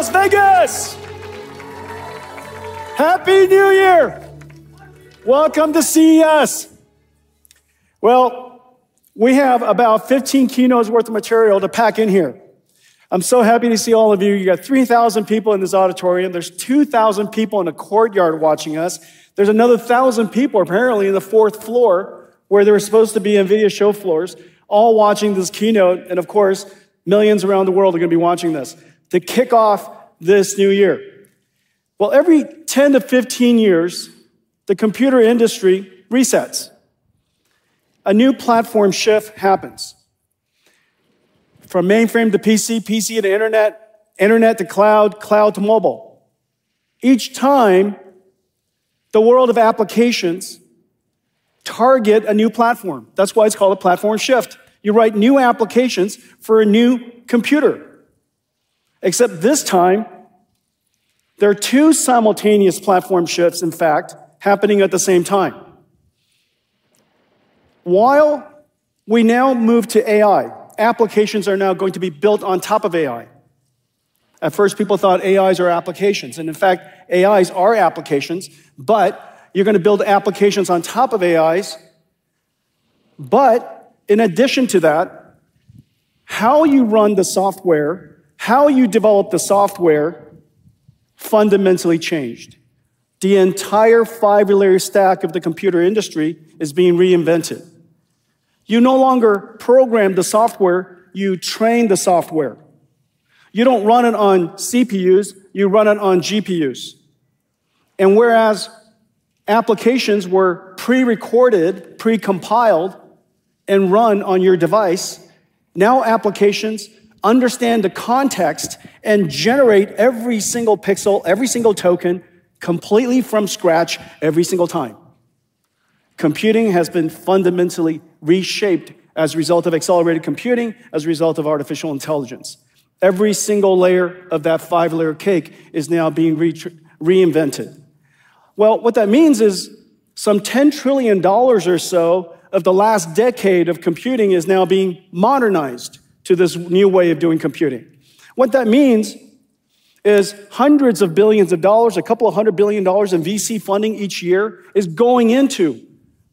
Hello, Las Vegas! Happy New Year! Welcome to CES. Well, we have about 15 keynotes' worth of material to pack in here. I'm so happy to see all of you. You got 3,000 people in this auditorium. There's 2,000 people in a courtyard watching us. There's another 1,000 people, apparently, on the fourth floor, where there are supposed to be NVIDIA show floors, all watching this keynote. And of course, millions around the world are going to be watching this to kick off this new year. Well, every 10 to 15 years, the computer industry resets. A new platform shift happens. From mainframe to PC, PC to internet, internet to cloud, cloud to mobile. Each time, the world of applications targets a new platform. That's why it's called a platform shift. You write new applications for a new computer. Except this time, there are two simultaneous platform shifts, in fact, happening at the same time. While we now move to AI, applications are now going to be built on top of AI. At first, people thought AIs are applications. And in fact, AIs are applications. But you're going to build applications on top of AIs. But in addition to that, how you run the software, how you develop the software, fundamentally changed. The entire five-layer stack of the computer industry is being reinvented. You no longer program the software; you train the software. You don't run it on CPUs; you run it on GPUs. And whereas applications were pre-recorded, pre-compiled, and run on your device, now applications understand the context and generate every single pixel, every single token, completely from scratch every single time. Computing has been fundamentally reshaped as a result of accelerated computing, as a result of artificial intelligence. Every single layer of that five-layer cake is now being reinvented. Well, what that means is some $10 trillion or so of the last decade of computing is now being modernized to this new way of doing computing. What that means is hundreds of billions of dollars, a couple of hundred billion dollars in VC funding each year, is going into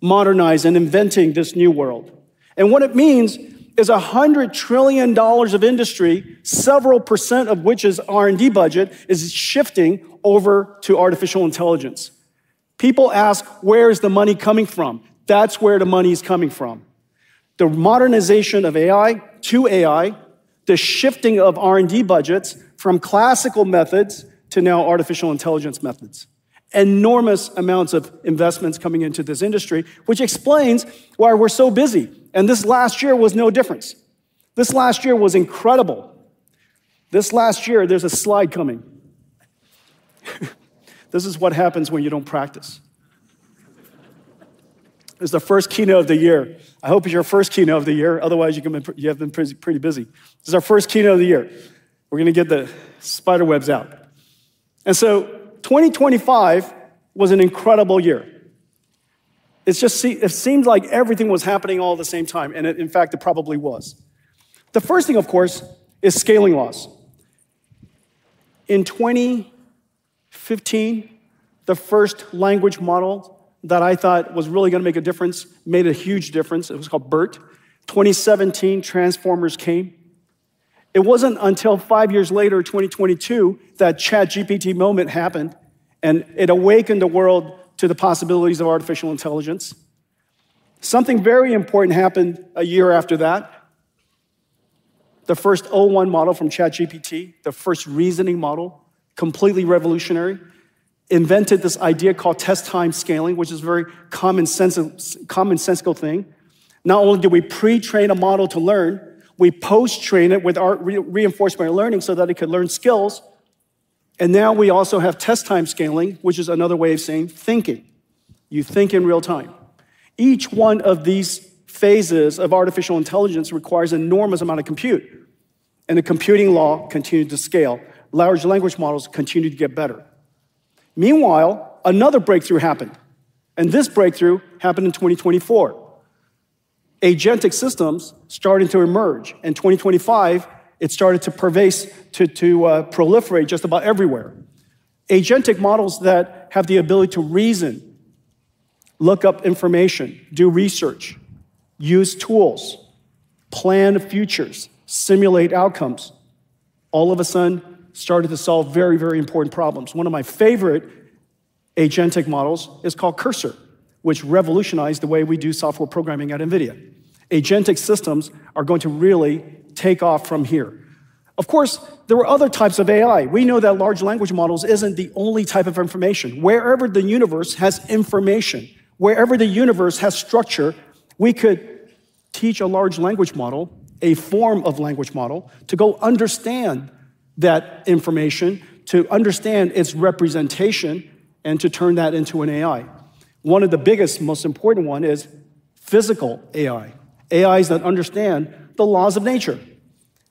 modernizing and inventing this new world. And what it means is $100 trillion of industry, several% of which is R&D budget, is shifting over to artificial intelligence. People ask, "Where is the money coming from?" That's where the money is coming from. The modernization of AI to AI, the shifting of R&D budgets from classical methods to now artificial intelligence methods. Enormous amounts of investments coming into this industry, which explains why we're so busy, and this last year was no different. This last year was incredible. This last year, there's a slide coming. This is what happens when you don't practice. This is the first keynote of the year. I hope it's your first keynote of the year; otherwise, you have been pretty busy. This is our first keynote of the year. We're going to get the spiderwebs out, and so 2025 was an incredible year. It seems like everything was happening all at the same time, and in fact, it probably was. The first thing, of course, is scaling laws. In 2015, the first language model that I thought was really going to make a difference made a huge difference. It was called BERT. 2017, Transformers came. It wasn't until five years later, 2022, that ChatGPT moment happened, and it awakened the world to the possibilities of artificial intelligence. Something very important happened a year after that. The first o1 model from ChatGPT, the first reasoning model, completely revolutionary, invented this idea called test-time scaling, which is a very commonsensical thing. Not only do we pretrain a model to learn, we post-train it with reinforcement learning so that it can learn skills. And now we also have test-time scaling, which is another way of saying thinking. You think in real time. Each one of these phases of artificial intelligence requires an enormous amount of compute. And Moore's law continued to scale. Large language models continue to get better. Meanwhile, another breakthrough happened. And this breakthrough happened in 2024. Agentic systems started to emerge. In 2025, it started to pervade to proliferate just about everywhere. Agentic models that have the ability to reason, look up information, do research, use tools, plan futures, simulate outcomes, all of a sudden started to solve very, very important problems. One of my favorite agentic models is called Cursor, which revolutionized the way we do software programming at NVIDIA. Agentic systems are going to really take off from here. Of course, there were other types of AI. We know that large language models aren't the only type of information. Wherever the universe has information, wherever the universe has structure, we could teach a large language model, a form of language model, to go understand that information, to understand its representation, and to turn that into an AI. One of the biggest, most important ones is physical AI, AIs that understand the laws of nature,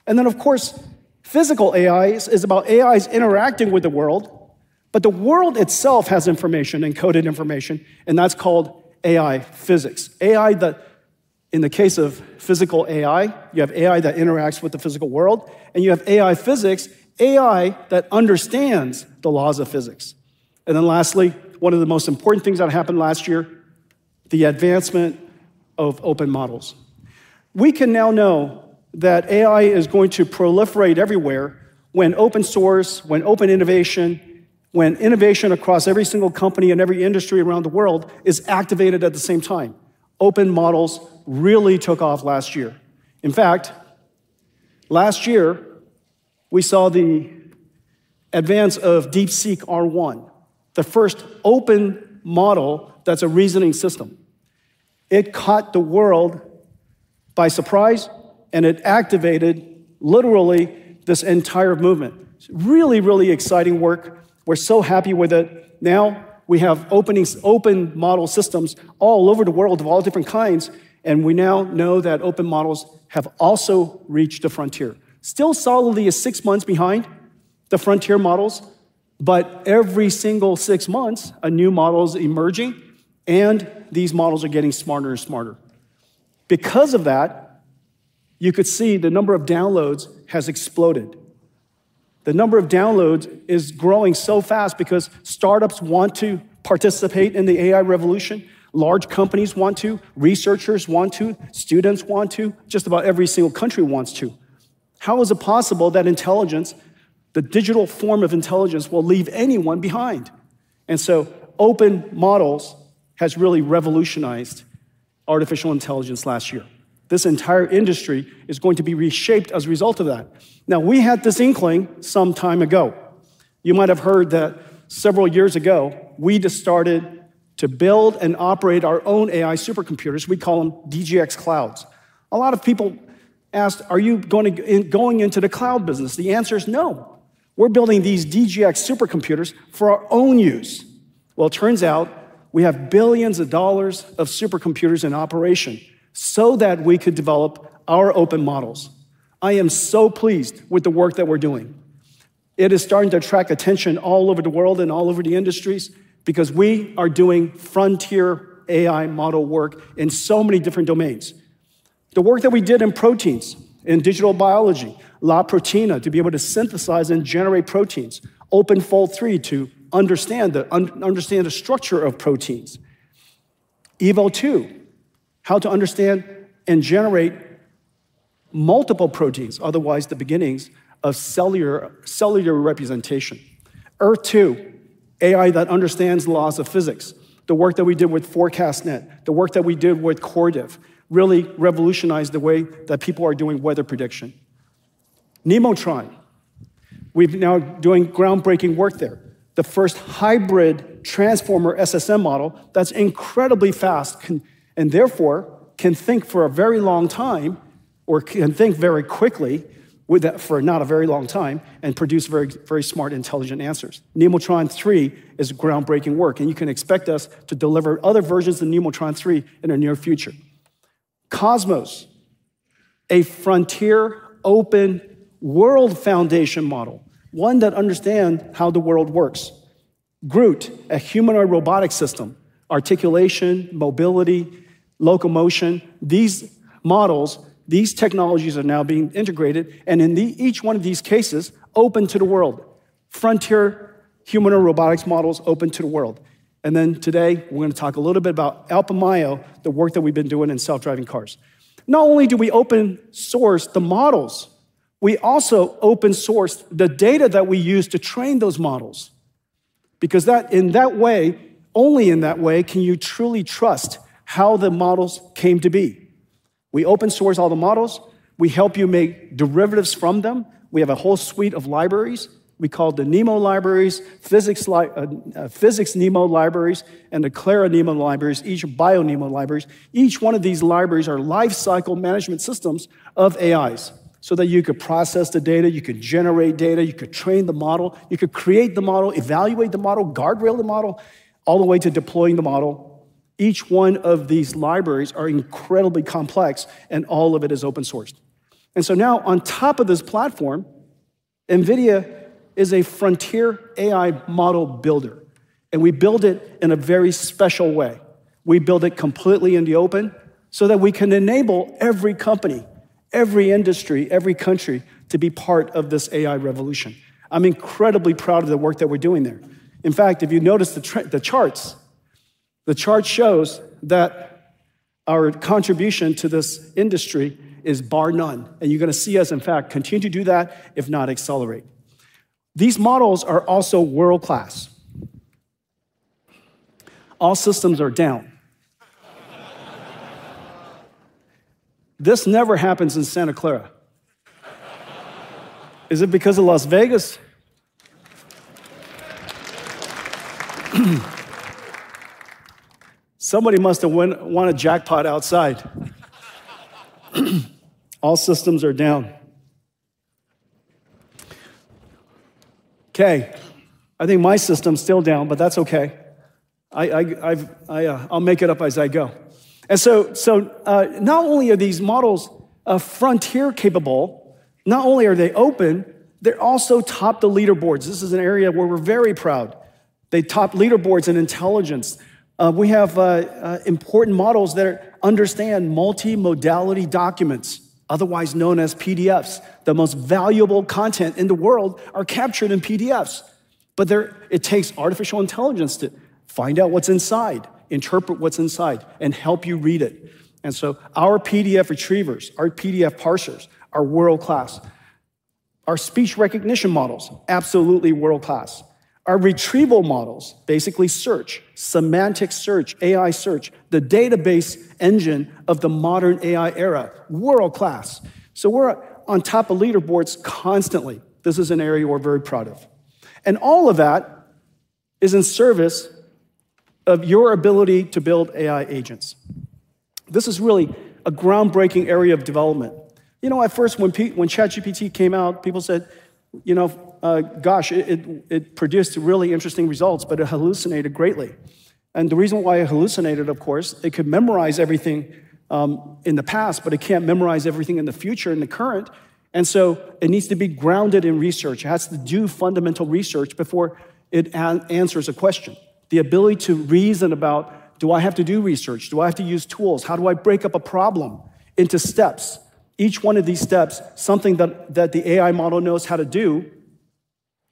and then, of course, physical AIs is about AIs interacting with the world. But the world itself has information, encoded information, and that's called AI physics. AI that, in the case of physical AI, you have AI that interacts with the physical world, and you have AI physics, AI that understands the laws of physics. And then lastly, one of the most important things that happened last year, the advancement of open models. We can now know that AI is going to proliferate everywhere when open source, when open innovation, when innovation across every single company and every industry around the world is activated at the same time. Open models really took off last year. In fact, last year, we saw the advance of DeepSeek R1, the first open model that's a reasoning system. It caught the world by surprise, and it activated literally this entire movement. It's really, really exciting work. We're so happy with it. Now we have open model systems all over the world of all different kinds. And we now know that open models have also reached the frontier. Still solidly at six months behind the frontier models, but every single six months, a new model is emerging, and these models are getting smarter and smarter. Because of that, you could see the number of downloads has exploded. The number of downloads is growing so fast because startups want to participate in the AI revolution. Large companies want to. Researchers want to. Students want to. Just about every single country wants to. How is it possible that intelligence, the digital form of intelligence, will leave anyone behind? And so open models have really revolutionized artificial intelligence last year. This entire industry is going to be reshaped as a result of that. Now, we had this inkling some time ago. You might have heard that several years ago, we just started to build and operate our own AI supercomputers. We call them DGX Clouds. A lot of people asked, "Are you going into the cloud business?" The answer is no. We're building these DGX supercomputers for our own use. It turns out we have billions of dollars of supercomputers in operation so that we could develop our open models. I am so pleased with the work that we're doing. It is starting to attract attention all over the world and all over the industries because we are doing frontier AI model work in so many different domains. The work that we did in proteins, in digital biology, La Protina, to be able to synthesize and generate proteins, OpenFold3, to understand the structure of proteins. Evo2, how to understand and generate multiple proteins, otherwise the beginnings of cellular representation. Earth-2, AI that understands the laws of physics. The work that we did with FourCastNet, the work that we did with CorrDiff, really revolutionized the way that people are doing weather prediction. Nemotron, we're now doing groundbreaking work there. The first hybrid transformer SSM model that's incredibly fast and therefore can think for a very long time or can think very quickly for not a very long time and produce very smart, intelligent answers. Nemotron-3 is groundbreaking work, and you can expect us to deliver other versions of Nemotron 3 in the near future. Cosmos, a frontier open world foundation model, one that understands how the world works. GR00T, a humanoid robotic system, articulation, mobility, locomotion. These models, these technologies are now being integrated, and in each one of these cases, open to the world, frontier humanoid robotics models open to the world. Then today, we're going to talk a little bit about Alpamayo, the work that we've been doing in self-driving cars. Not only do we open source the models, we also open source the data that we use to train those models. Because in that way, only in that way can you truly trust how the models came to be. We open source all the models. We help you make derivatives from them. We have a whole suite of libraries. We call them NeMo Libraries, Physics NeMo Libraries, and the Clara NeMo Libraries, and BioNeMo Libraries. Each one of these libraries are lifecycle management systems of AIs so that you could process the data, you could generate data, you could train the model, you could create the model, evaluate the model, guardrail the model, all the way to deploying the model. Each one of these libraries is incredibly complex, and all of it is open sourced, and so now, on top of this platform, NVIDIA is a frontier AI model builder, and we build it in a very special way. We build it completely in the open so that we can enable every company, every industry, every country to be part of this AI revolution. I'm incredibly proud of the work that we're doing there. In fact, if you notice the charts, the chart shows that our contribution to this industry is bar none, and you're going to see us, in fact, continue to do that, if not accelerate. These models are also world-class. All systems are down. This never happens in Santa Clara. Is it because of Las Vegas? Somebody must have won a jackpot outside. All systems are down. Okay. I think my system's still down, but that's okay. I'll make it up as I go, and so not only are these models frontier-capable, not only are they open, they're also top the leaderboards. This is an area where we're very proud. They top leaderboards in intelligence. We have important models that understand multimodality documents, otherwise known as PDFs. The most valuable content in the world is captured in PDFs, but it takes artificial intelligence to find out what's inside, interpret what's inside, and help you read it, and so our PDF retrievers, our PDF parsers, are world-class. Our speech recognition models, absolutely world-class. Our retrieval models, basically search, semantic search, AI search, the database engine of the modern AI era, world-class, so we're on top of leaderboards constantly. This is an area we're very proud of, and all of that is in service of your ability to build AI agents. This is really a groundbreaking area of development. You know, at first, when ChatGPT came out, people said, "You know, gosh, it produced really interesting results," but it hallucinated greatly, and the reason why it hallucinated, of course, it could memorize everything in the past, but it can't memorize everything in the future and the current, and so it needs to be grounded in research. It has to do fundamental research before it answers a question. The ability to reason about, "Do I have to do research? Do I have to use tools? How do I break up a problem into steps?" Each one of these steps, something that the AI model knows how to do,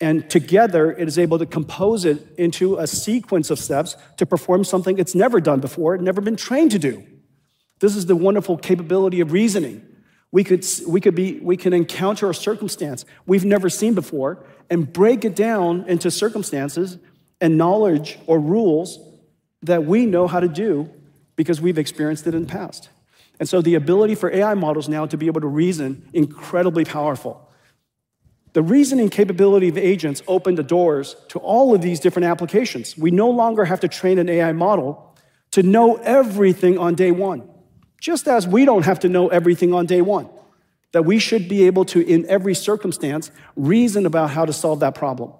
and together, it is able to compose it into a sequence of steps to perform something it's never done before, never been trained to do. This is the wonderful capability of reasoning. We could encounter a circumstance we've never seen before and break it down into circumstances and knowledge or rules that we know how to do because we've experienced it in the past, and so the ability for AI models now to be able to reason is incredibly powerful. The reasoning capability of agents opened the doors to all of these different applications. We no longer have to train an AI model to know everything on day one, just as we don't have to know everything on day one, that we should be able to, in every circumstance, reason about how to solve that problem.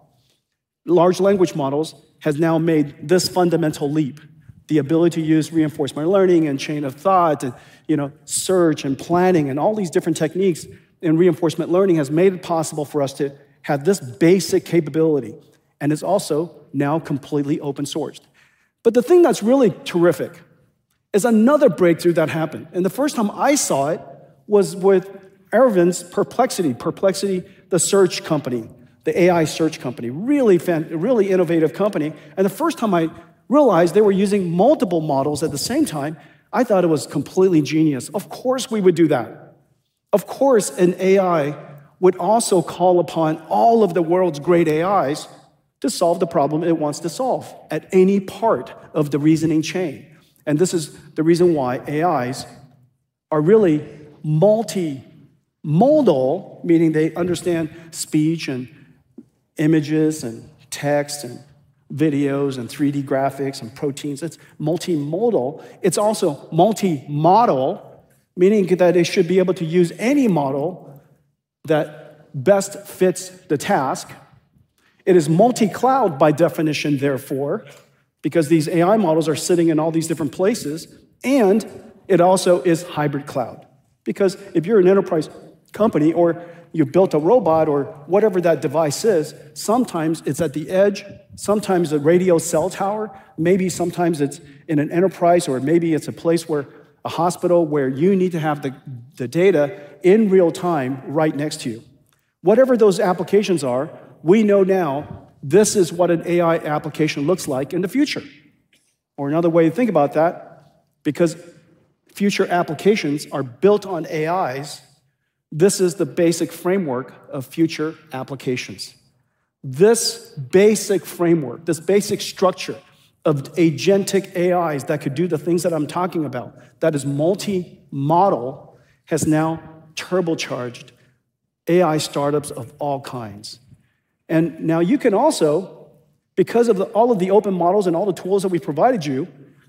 Large language models have now made this fundamental leap. The ability to use reinforcement learning and chain of thought and search and planning and all these different techniques in reinforcement learning has made it possible for us to have this basic capability. It's also now completely open sourced. But the thing that's really terrific is another breakthrough that happened. The first time I saw it was with Arvind's Perplexity, Perplexity, the search company, the AI search company, really innovative company. The first time I realized they were using multiple models at the same time, I thought it was completely genius. Of course, we would do that. Of course, an AI would also call upon all of the world's great AIs to solve the problem it wants to solve at any part of the reasoning chain. This is the reason why AIs are really multimodal, meaning they understand speech and images and text and videos and 3D graphics and proteins. It's multimodal. It's also multimodal, meaning that it should be able to use any model that best fits the task. It is multi-cloud by definition, therefore, because these AI models are sitting in all these different places. And it also is hybrid cloud. Because if you're an enterprise company or you've built a robot or whatever that device is, sometimes it's at the edge, sometimes a radio cell tower, maybe sometimes it's in an enterprise or maybe it's a place where a hospital where you need to have the data in real time right next to you. Whatever those applications are, we know now this is what an AI application looks like in the future. Or another way to think about that, because future applications are built on AIs, this is the basic framework of future applications. This basic framework, this basic structure of agentic AIs that could do the things that I'm talking about, that is multimodal, has now turbocharged AI startups of all kinds. And now you can also, because of all of the open models and all of the tools that we've provided you,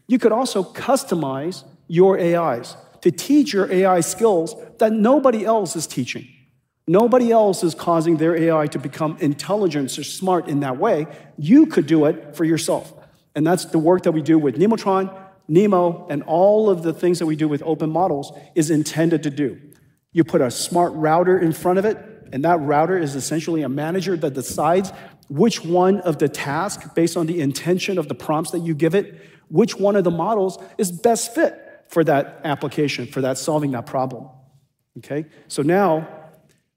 you could also customize your AIs to teach your AI skills that nobody else is teaching. Nobody else is causing their AI to become intelligent or smart in that way. You could do it for yourself. And that's the work that we do with Nemotron, NeMo, and all of the things that we do with open models is intended to do. You put a smart router in front of it, and that router is essentially a manager that decides which one of the tasks, based on the intention of the prompts that you give it, which one of the models is best fit for that application, for solving that problem. Okay? So now,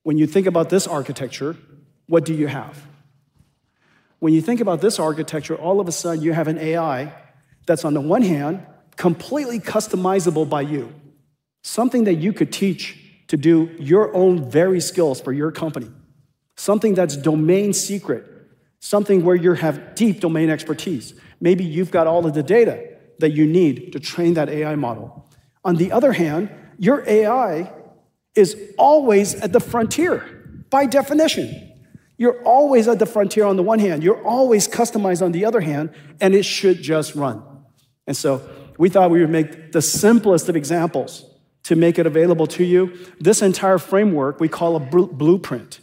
when you think about this architecture, what do you have? When you think about this architecture, all of a sudden, you have an AI that's, on the one hand, completely customizable by you. Something that you could teach to do your own very skills for your company. Something that's domain secret, something where you have deep domain expertise. Maybe you've got all of the data that you need to train that AI model. On the other hand, your AI is always at the frontier by definition. You're always at the frontier on the one hand. You're always customized on the other hand, and it should just run. And so we thought we would make the simplest of examples to make it available to you. This entire framework, we call a blueprint.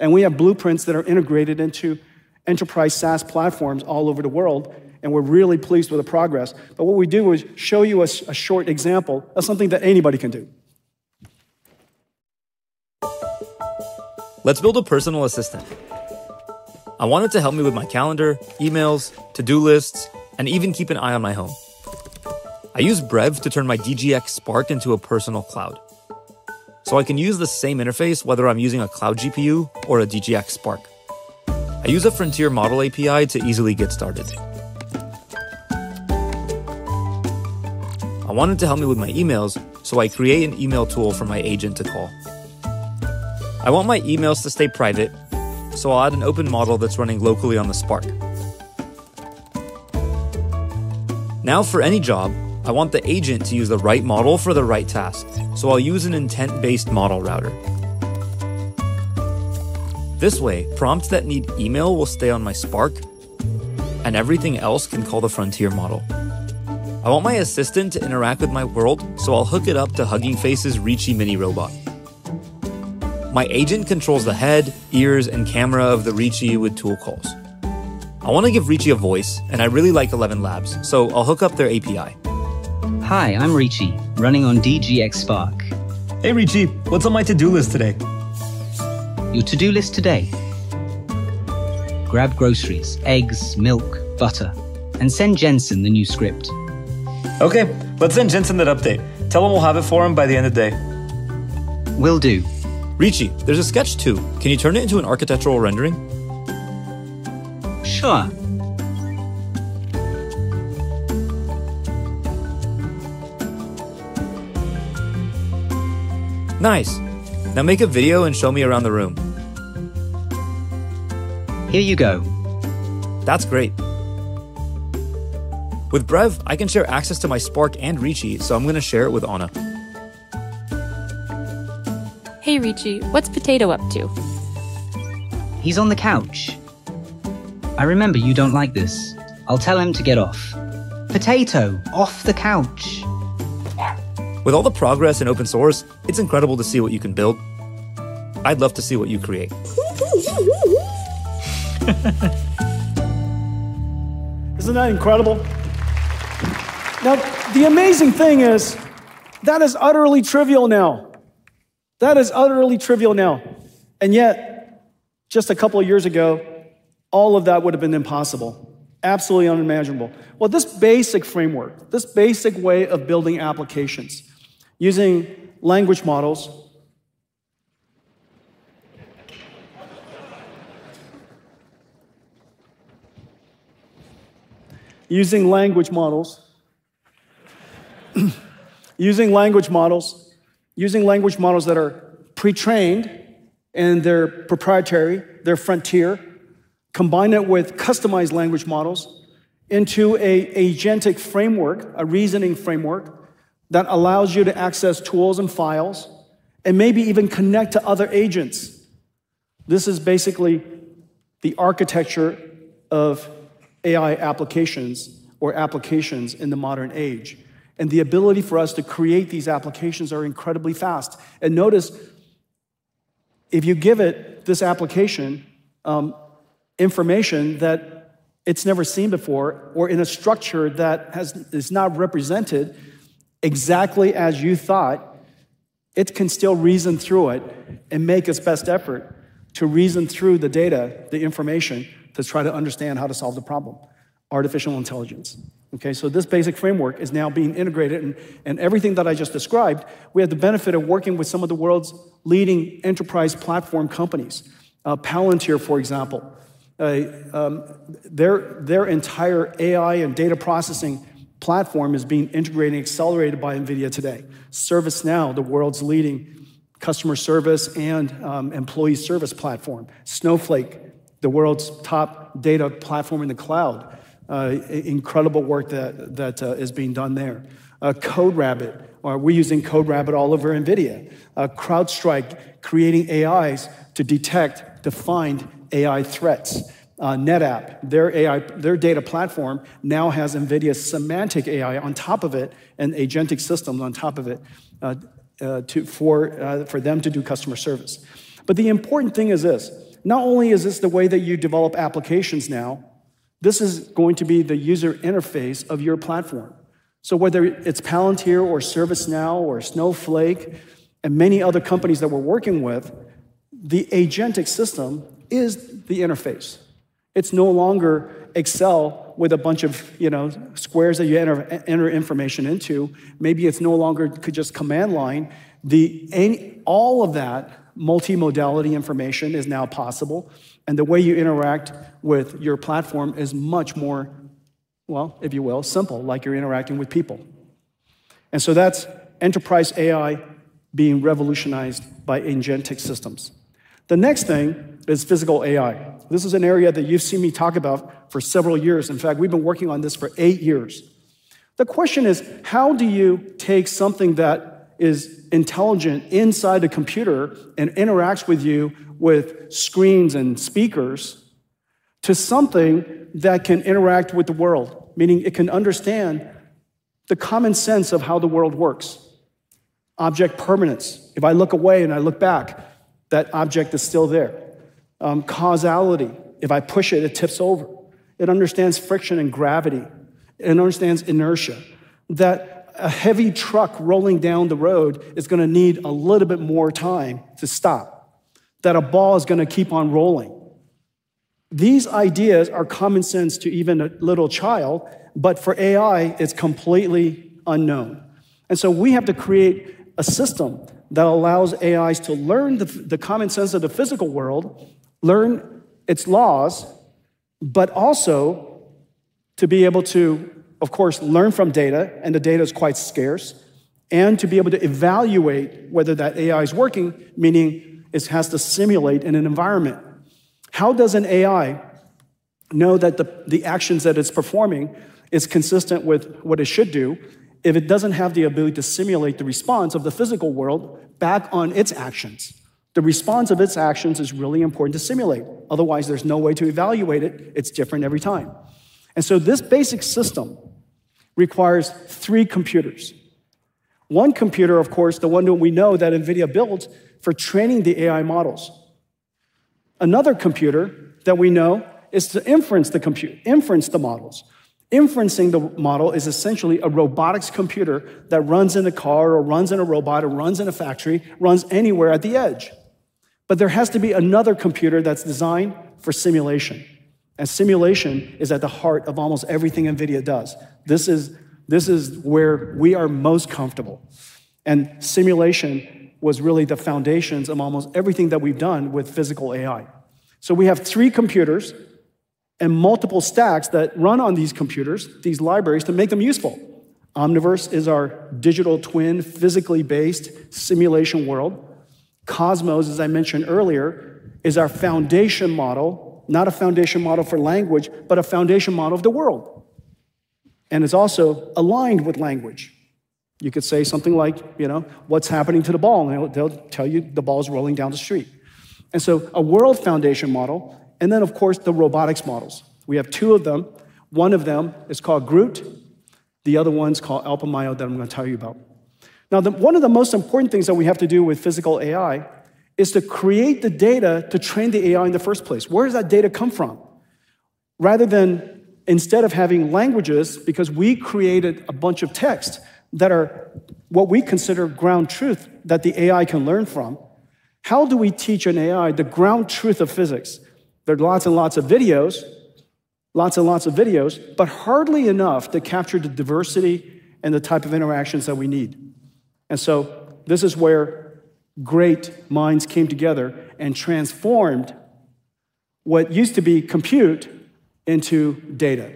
And we have blueprints that are integrated into enterprise SaaS platforms all over the world. And we're really pleased with the progress. But what we do is show you a short example of something that anybody can do. Let's build a personal assistant. I want it to help me with my calendar, emails, to-do lists, and even keep an eye on my home. I use Brev to turn my DGX Spark into a personal cloud so I can use the same interface whether I'm using a cloud GPU or a DGX Spark. I use a Frontier Model API to easily get started. I want it to help me with my emails, so I create an email tool for my agent to call. I want my emails to stay private, so I'll add an open model that's running locally on the Spark. Now, for any job, I want the agent to use the right model for the right task, so I'll use an intent-based model router. This way, prompts that need email will stay on my Spark, and everything else can call the Frontier model. I want my assistant to interact with my world, so I'll hook it up to Hugging Face's Reachy mini robot. My agent controls the head, ears, and camera of the Reachy with tool calls. I want to give Reachy a voice, and I really like ElevenLabs, so I'll hook up their API. Hi, I'm Reachy, running on DGX Spark. Hey, Reachy. What's on my to-do list today? Your to-do list today. Grab groceries, eggs, milk, butter, and send Jensen the new script. Okay. Let's send Jensen that update. Tell him we'll have it for him by the end of the day. Will do. Reachy, there's a sketch too. Can you turn it into an architectural rendering? Sure. Nice. Now make a video and show me around the room. Here you go. That's great. With Brev, I can share access to my Spark and Reachy, so I'm going to share it with Ona. Hey, Reachy, what's Potato up to? He's on the couch. I remember you don't like this. I'll tell him to get off. Potato, off the couch. With all the progress in open source, it's incredible to see what you can build. I'd love to see what you create. Isn't that incredible? Now, the amazing thing is that is utterly trivial now. That is utterly trivial now \. And yet, just a couple of years ago, all of that would have been impossible. Absolutely unimaginable. This basic framework, this basic way of building applications using language models, using language models, using language models that are pre-trained and they're proprietary, they're frontier. Combine it with customized language models into an agentic framework, a reasoning framework that allows you to access tools and files and maybe even connect to other agents. This is basically the architecture of AI applications or applications in the modern age. The ability for us to create these applications is incredibly fast. Notice, if you give it this application information that it's never seen before or in a structure that is not represented exactly as you thought, it can still reason through it and make its best effort to reason through the data, the information to try to understand how to solve the problem. Artificial intelligence. Okay? This basic framework is now being integrated. Everything that I just described, we have the benefit of working with some of the world's leading enterprise platform companies. Palantir, for example. Their entire AI and data processing platform is being integrated and accelerated by NVIDIA today. ServiceNow, the world's leading customer service and employee service platform. Snowflake, the world's top data platform in the cloud. Incredible work that is being done there. CodeRabbit, we're using CodeRabbit all over NVIDIA. CrowdStrike, creating AIs to detect, to find AI threats. NetApp, their data platform now has NVIDIA Semantic AI on top of it and agentic systems on top of it for them to do customer service. The important thing is this. Not only is this the way that you develop applications now, this is going to be the user interface of your platform. So whether it's Palantir or ServiceNow or Snowflake and many other companies that we're working with, the agentic system is the interface. It's no longer Excel with a bunch of squares that you enter information into. Maybe it's no longer just command line. All of that multimodality information is now possible. And the way you interact with your platform is much more, well, if you will, simple, like you're interacting with people. And so that's enterprise AI being revolutionized by agentic systems. The next thing is physical AI. This is an area that you've seen me talk about for several years. In fact, we've been working on this for eight years. The question is, how do you take something that is intelligent inside a computer and interacts with you with screens and speakers to something that can interact with the world, meaning it can understand the common sense of how the world works? Object permanence. If I look away and I look back, that object is still there. Causality. If I push it, it tips over. It understands friction and gravity. It understands inertia. That a heavy truck rolling down the road is going to need a little bit more time to stop. That a ball is going to keep on rolling. These ideas are common sense to even a little child, but for AI, it's completely unknown. We have to create a system that allows AIs to learn the common sense of the physical world, learn its laws, but also to be able to, of course, learn from data, and the data is quite scarce, and to be able to evaluate whether that AI is working, meaning it has to simulate in an environment. How does an AI know that the actions that it's performing are consistent with what it should do if it doesn't have the ability to simulate the response of the physical world back on its actions? The response of its actions is really important to simulate. Otherwise, there's no way to evaluate it. It's different every time. This basic system requires three computers. One computer, of course, the one that we know that NVIDIA builds for training the AI models. Another computer that we know is to inference the models. Inferencing the model is essentially a robotics computer that runs in a car or runs in a robot or runs in a factory, runs anywhere at the edge, but there has to be another computer that's designed for simulation, and simulation is at the heart of almost everything NVIDIA does. This is where we are most comfortable, and simulation was really the foundations of almost everything that we've done with physical AI, so we have three computers and multiple stacks that run on these computers, these libraries to make them useful. Omniverse is our digital twin, physically based simulation world. Cosmos, as I mentioned earlier, is our foundation model, not a foundation model for language, but a foundation model of the world, and it's also aligned with language. You could say something like, "What's happening to the ball?" And they'll tell you the ball's rolling down the street. And so a world foundation model. And then, of course, the robotics models. We have two of them. One of them is called GR00T. The other one's called AlphaMyo that I'm going to tell you about. Now, one of the most important things that we have to do with physical AI is to create the data to train the AI in the first place. Where does that data come from? Rather than having languages, because we created a bunch of texts that are what we consider ground truth that the AI can learn from, how do we teach an AI the ground truth of physics? There are lots and lots of videos, lots and lots of videos, but hardly enough to capture the diversity and the type of interactions that we need, and so this is where great minds came together and transformed what used to be compute into data.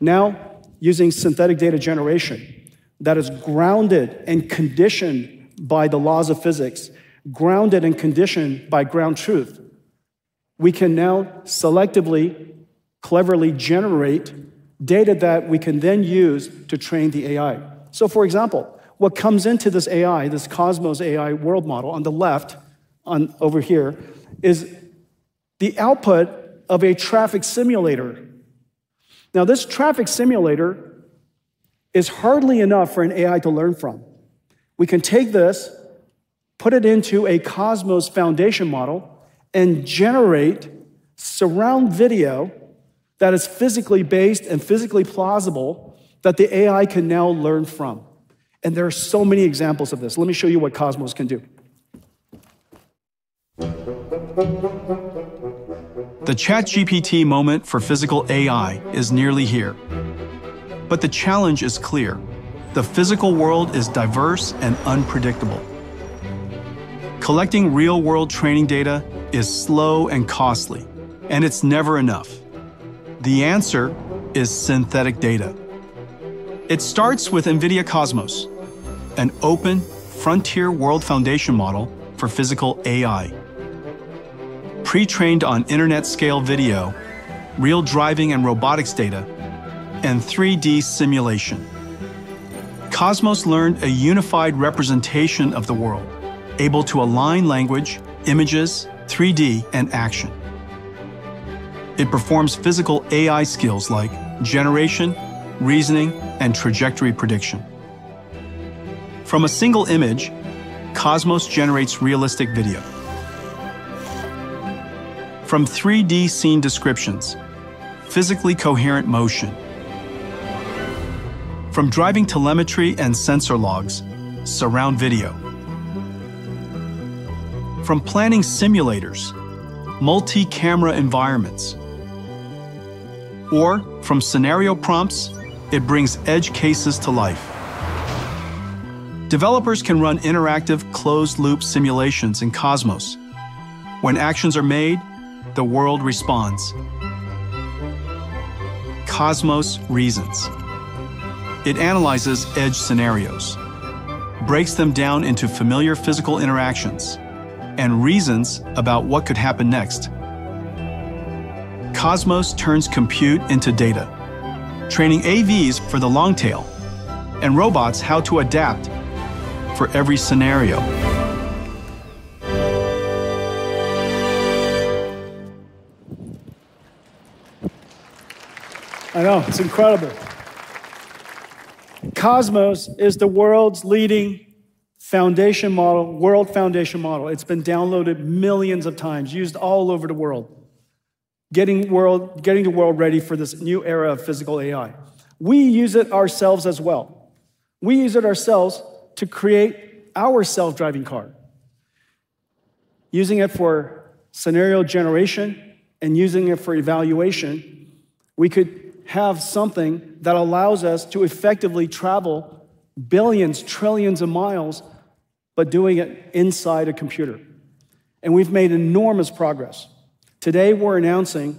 Now, using synthetic data generation that is grounded and conditioned by the laws of physics, grounded and conditioned by ground truth, we can now selectively, cleverly generate data that we can then use to train the AI, so for example, what comes into this AI, this Cosmos AI world model on the left over here, is the output of a traffic simulator. Now, this traffic simulator is hardly enough for an AI to learn from. We can take this, put it into a Cosmos foundation model, and generate surround video that is physically based and physically plausible that the AI can now learn from. And there are so many examples of this. Let me show you what Cosmos can do. The ChatGPT moment for physical AI is nearly here. But the challenge is clear. The physical world is diverse and unpredictable. Collecting real-world training data is slow and costly, and it's never enough. The answer is synthetic data. It starts with NVIDIA Cosmos, an open, frontier world foundation model for physical AI. Pre-trained on internet-scale video, real driving and robotics data, and 3D simulation. Cosmos learned a unified representation of the world, able to align language, images, 3D, and action. It performs physical AI skills like generation, reasoning, and trajectory prediction. From a single image, Cosmos generates realistic video. From 3D scene descriptions, physically coherent motion. From driving telemetry and sensor logs, surround video. From planning simulators, multi-camera environments. Or from scenario prompts, it brings edge cases to life. Developers can run interactive closed-loop simulations in Cosmos. When actions are made, the world responds. Cosmos reasons. It analyzes edge scenarios, breaks them down into familiar physical interactions, and reasons about what could happen next. Cosmos turns compute into data, training AVs for the long tail, and robots how to adapt for every scenario. I know. It's incredible. Cosmos is the world's leading foundation model, world foundation model. It's been downloaded millions of times, used all over the world, getting the world ready for this new era of physical AI. We use it ourselves as well. We use it ourselves to create our self-driving car. Using it for scenario generation and using it for evaluation, we could have something that allows us to effectively travel billions, trillions of miles, but doing it inside a computer, and we've made enormous progress. Today, we're announcing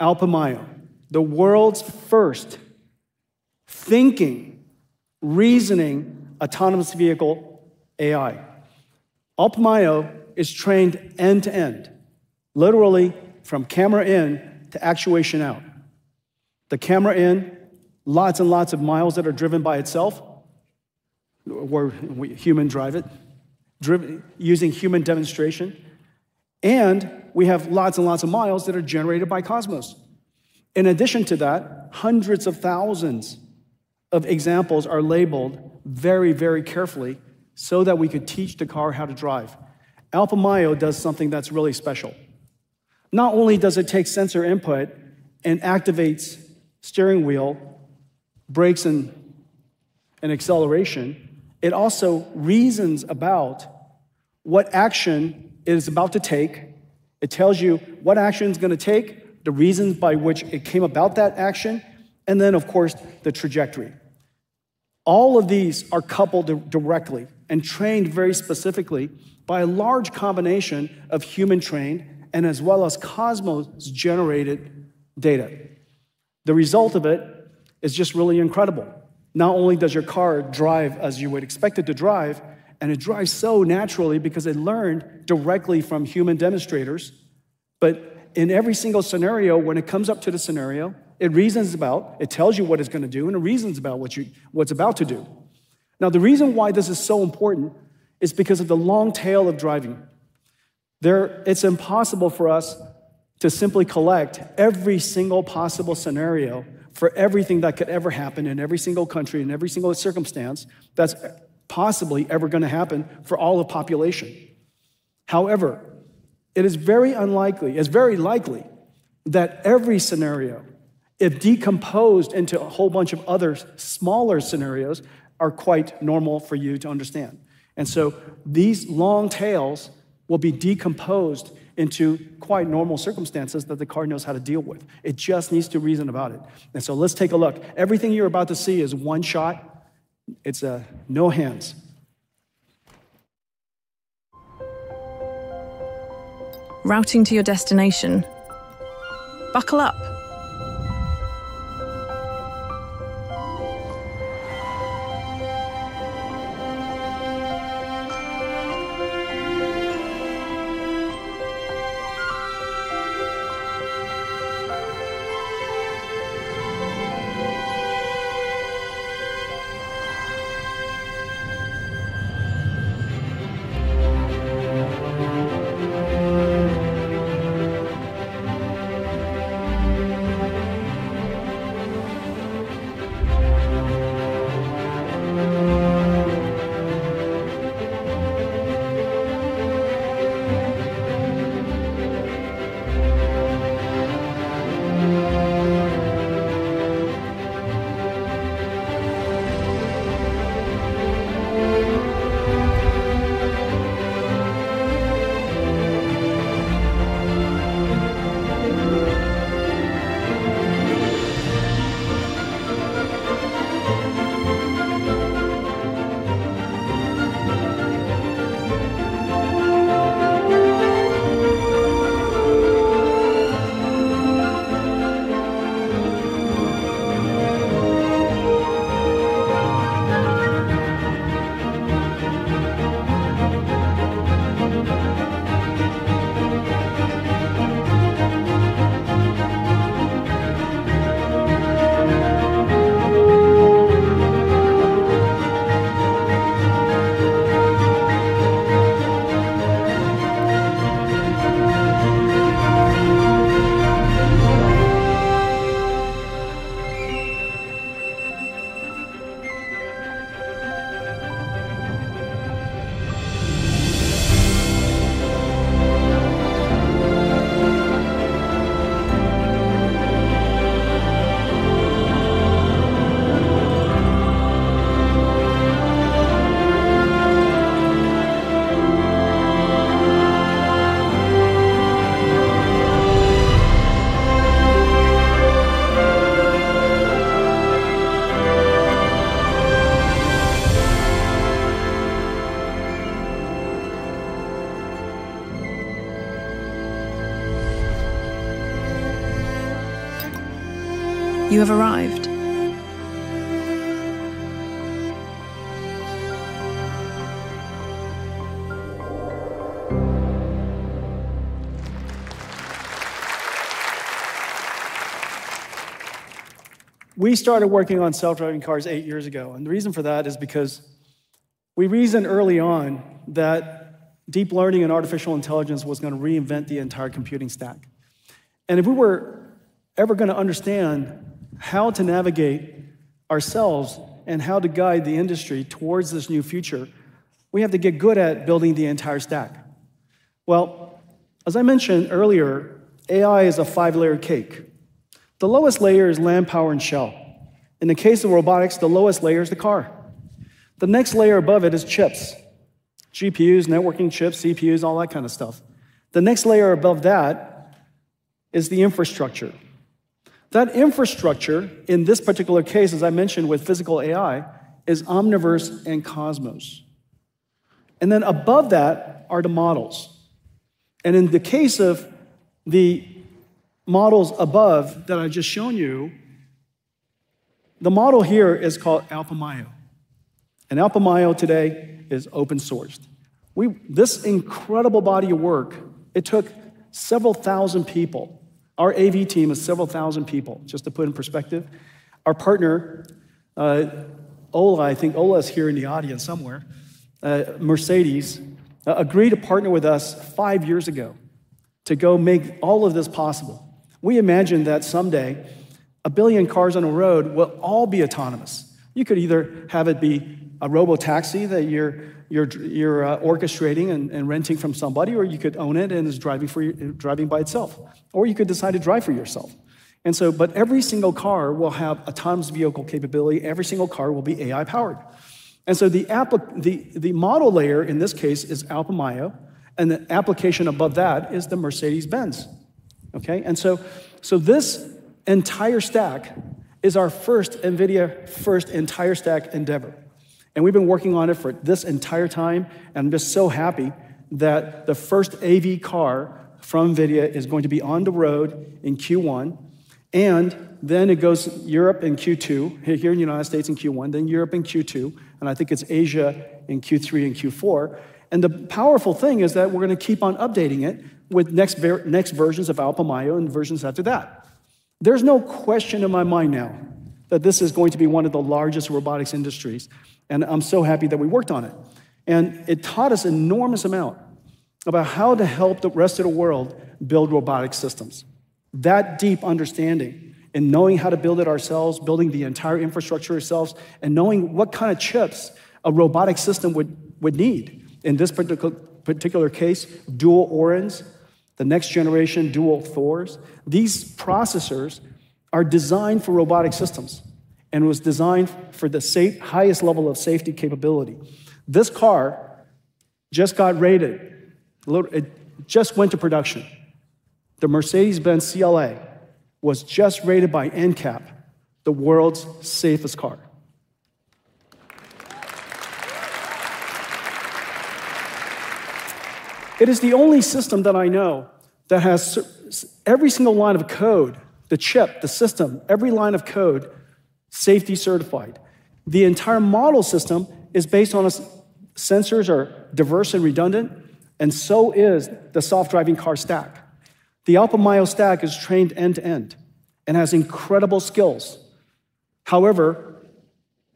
AlphaMyo, the world's first thinking, reasoning, autonomous vehicle AI. Alpamayo is trained end-to-end, literally from camera in to actuation out. The camera in, lots and lots of miles that are driven by itself, where we humans drive it, using human demonstration and we have lots and lots of miles that are generated by Cosmos. In addition to that, hundreds of thousands of examples are labeled very, very carefully so that we could teach the car how to drive. Alpamayo does something that's really special. Not only does it take sensor input and activates steering wheel, brakes, and acceleration, it also reasons about what action it is about to take. It tells you what action it's going to take, the reasons by which it came about that action, and then, of course, the trajectory. All of these are coupled directly and trained very specifically by a large combination of human-trained and as well as Cosmos-generated data. The result of it is just really incredible. Not only does your car drive as you would expect it to drive, and it drives so naturally because it learned directly from human demonstrators, but in every single scenario, when it comes up to the scenario, it reasons about it, it tells you what it's going to do, and it reasons about what's about to do. Now, the reason why this is so important is because of the long tail of driving. It's impossible for us to simply collect every single possible scenario for everything that could ever happen in every single country and every single circumstance that's possibly ever going to happen for all the population. However, it is very unlikely. It's very likely that every scenario, if decomposed into a whole bunch of other smaller scenarios, are quite normal for you to understand. And so these long tails will be decomposed into quite normal circumstances that the car knows how to deal with. It just needs to reason about it. And so let's take a look. Everything you're about to see is one shot. It's no hands. Routing to your destination. Buckle up. You have arrived. We started working on self-driving cars eight years ago. And the reason for that is because we reasoned early on that deep learning and artificial intelligence was going to reinvent the entire computing stack. And if we were ever going to understand how to navigate ourselves and how to guide the industry towards this new future, we have to get good at building the entire stack. As I mentioned earlier, AI is a five-layer cake. The lowest layer is manpower and shell. In the case of robotics, the lowest layer is the car. The next layer above it is chips, GPUs, networking chips, CPUs, all that kind of stuff. The next layer above that is the infrastructure. That infrastructure, in this particular case, as I mentioned with physical AI, is Omniverse and Cosmos. Then above that are the models. In the case of the models above that I've just shown you, the model here is called Alpamayo. Alpamayo today is open-sourced. This incredible body of work, it took several thousand people. Our AV team is several thousand people, just to put it in perspective. Our partner, Ola, I think Ola is here in the audience somewhere. Mercedes agreed to partner with us five years ago to go make all of this possible. We imagined that someday a billion cars on the road will all be autonomous. You could either have it be a robo-taxi that you're orchestrating and renting from somebody, or you could own it and it's driving by itself. Or you could decide to drive for yourself. And so, but every single car will have autonomous vehicle capability. Every single car will be AI-powered. And so the model layer in this case is Alphamayo, and the application above that is the Mercedes-Benz. Okay? And so this entire stack is our first NVIDIA-first entire stack endeavor. And we've been working on it for this entire time. I'm just so happy that the first AV car from NVIDIA is going to be on the road in Q1. It goes Europe in Q2, here in the United States in Q1, then Europe in Q2, and I think it's Asia in Q3 and Q4. The powerful thing is that we're going to keep on updating it with next versions of Alpamayo and versions after that. There's no question in my mind now that this is going to be one of the largest robotics industries. I'm so happy that we worked on it. It taught us an enormous amount about how to help the rest of the world build robotic systems. That deep understanding and knowing how to build it ourselves, building the entire infrastructure ourselves, and knowing what kind of chips a robotic system would need. In this particular case, dual Orins, the next generation dual Thors. These processors are designed for robotic systems and were designed for the highest level of safety capability. This car just got rated. It just went to production. The Mercedes-Benz CLA was just rated by NCAP, the world's safest car. It is the only system that I know that has every single line of code, the chip, the system, every line of code safety certified. The entire model system is based on sensors that are diverse and redundant, and so is the self-driving car stack. The Alpamayo stack is trained end-to-end and has incredible skills. However,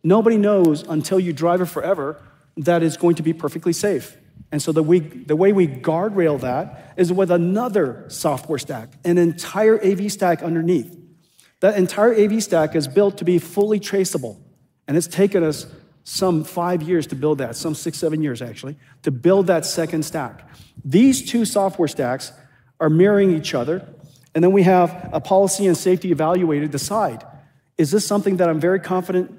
nobody knows until you drive it forever that it's going to be perfectly safe, and so the way we guardrail that is with another software stack, an entire AV stack underneath. That entire AV stack is built to be fully traceable. And it's taken us some five years to build that, some six, seven years, actually, to build that second stack. These two software stacks are mirroring each other. And then we have a policy and safety evaluator decide, is this something that I'm very confident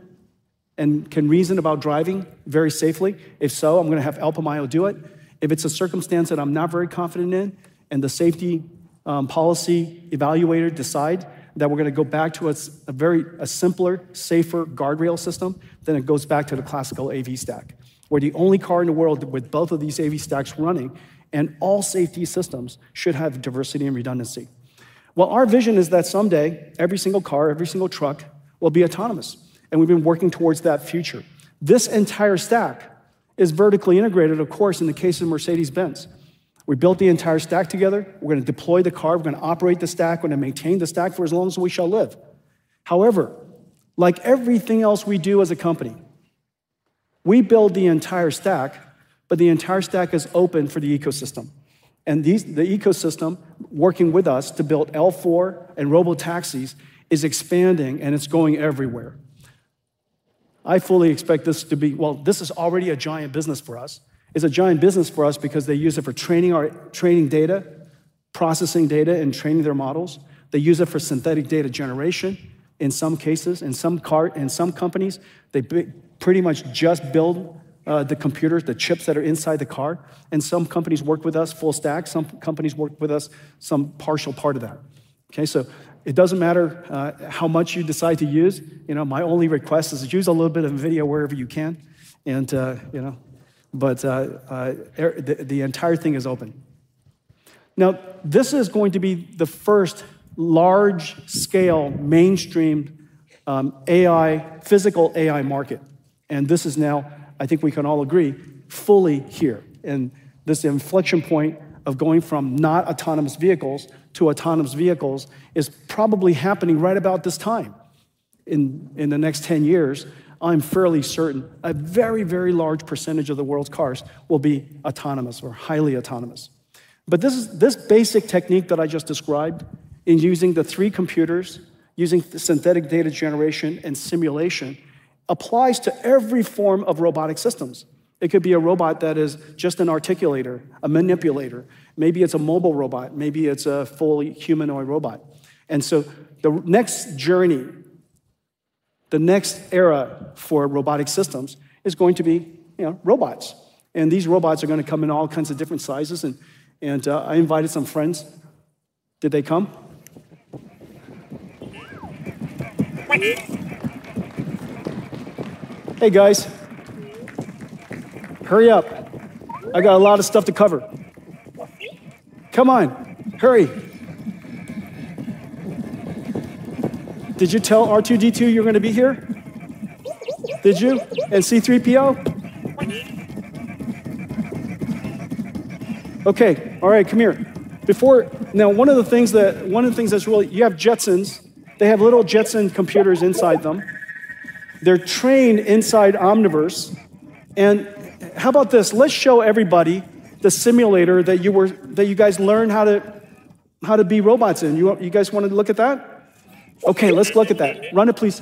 and can reason about driving very safely? If so, I'm going to have Alphamayo do it. If it's a circumstance that I'm not very confident in, and the safety policy evaluator decides that we're going to go back to a simpler, safer guardrail system, then it goes back to the classical AV stack, where the only car in the world with both of these AV stacks running and all safety systems should have diversity and redundancy. Well, our vision is that someday every single car, every single truck will be autonomous. And we've been working towards that future. This entire stack is vertically integrated, of course, in the case of Mercedes-Benz. We built the entire stack together. We're going to deploy the car. We're going to operate the stack. We're going to maintain the stack for as long as we shall live. However, like everything else we do as a company, we build the entire stack, but the entire stack is open for the ecosystem, and the ecosystem working with us to build L4 and robo-taxis is expanding, and it's going everywhere. I fully expect this to be, well, this is already a giant business for us. It's a giant business for us because they use it for training data, processing data, and training their models. They use it for synthetic data generation in some cases. In some companies, they pretty much just build the computers, the chips that are inside the car. And some companies work with us full stack. Some companies work with us some partial part of that. Okay? So it doesn't matter how much you decide to use. My only request is to use a little bit of NVIDIA wherever you can. But the entire thing is open. Now, this is going to be the first large-scale mainstream AI, physical AI market. And this is now, I think we can all agree, fully here. And this inflection point of going from not autonomous vehicles to autonomous vehicles is probably happening right about this time. In the next 10 years, I'm fairly certain a very, very large percentage of the world's cars will be autonomous or highly autonomous. But this basic technique that I just described in using the three computers, using synthetic data generation and simulation, applies to every form of robotic systems. It could be a robot that is just an articulator, a manipulator. Maybe it's a mobile robot. Maybe it's a fully humanoid robot. And so the next journey, the next era for robotic systems is going to be robots. And these robots are going to come in all kinds of different sizes. And I invited some friends. Did they come? Hey, guys. Hurry up. I got a lot of stuff to cover. Come on. Hurry. Did you tell R2-D2 you're going to be here? Did you? And C-3PO? Okay. All right. Come here. Now, one of the things that's really, you have Jetsons. They have little Jetson computers inside them. They're trained inside Omniverse. And how about this? Let's show everybody the simulator that you guys learned how to be robots in. You guys want to look at that? Okay. Let's look at that. Run it, please.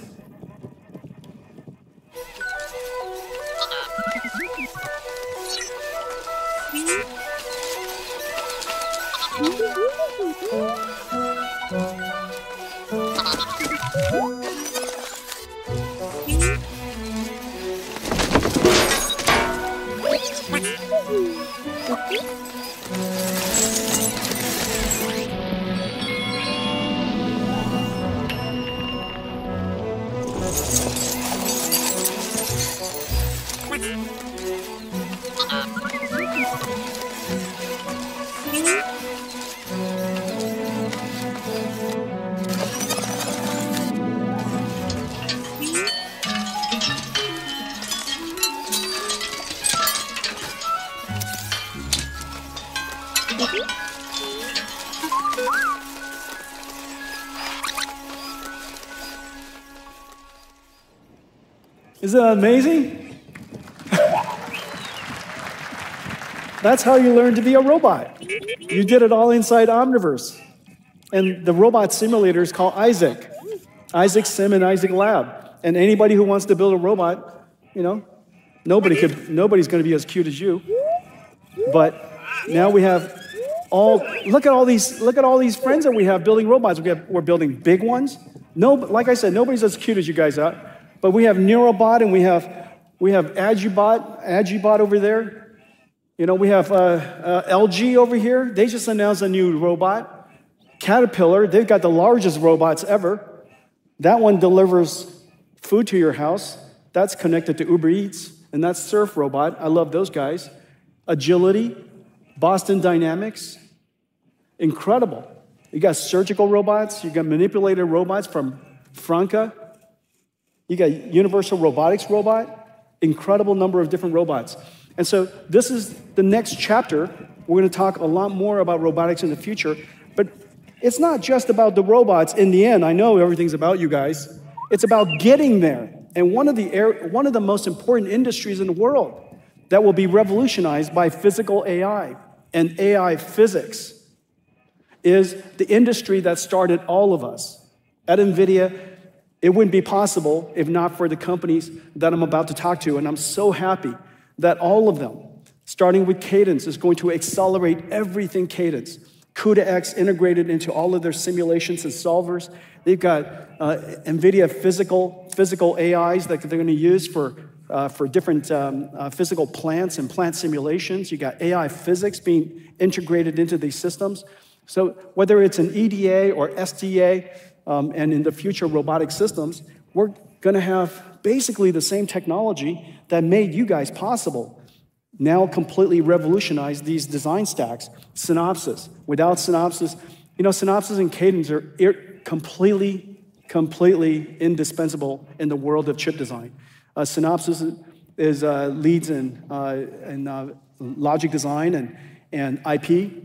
Isn't that amazing? That's how you learn to be a robot. You did it all inside Omniverse. And the robot simulator is called Isaac, Isaac Sim and Isaac Lab. And anybody who wants to build a robot, nobody's going to be as cute as you. But now we have all, look at all these friends that we have building robots. We're building big ones. Like I said, nobody's as cute as you guys are. But we have Neurobot, and we have Agibot over there. We have LG over here. They just announced a new robot, Caterpillar. They've got the largest robots ever. That one delivers food to your house. That's connected to Uber Eats. And that's Surf Robot. I love those guys. Agility, Boston Dynamics. Incredible. You got surgical robots. You got manipulator robots from Franka. You got Universal Robotics Robot. Incredible number of different robots. And so this is the next chapter. We're going to talk a lot more about robotics in the future. But it's not just about the robots in the end. I know everything's about you guys. It's about getting there. And one of the most important industries in the world that will be revolutionized by physical AI and AI physics is the industry that started all of us. At NVIDIA, it wouldn't be possible if not for the companies that I'm about to talk to. And I'm so happy that all of them, starting with Cadence, is going to accelerate everything Cadence. CUDA-X integrated into all of their simulations and solvers. They've got NVIDIA physical AIs that they're going to use for different physical plants and plant simulations. You got AI physics being integrated into these systems. Whether it's an EDA or SDA, and in the future, robotic systems, we're going to have basically the same technology that made you guys possible now completely revolutionize these design stacks. Synopsys. Without Synopsys, Synopsys and Cadence are completely, completely indispensable in the world of chip design. Synopsys leads in logic design and IP.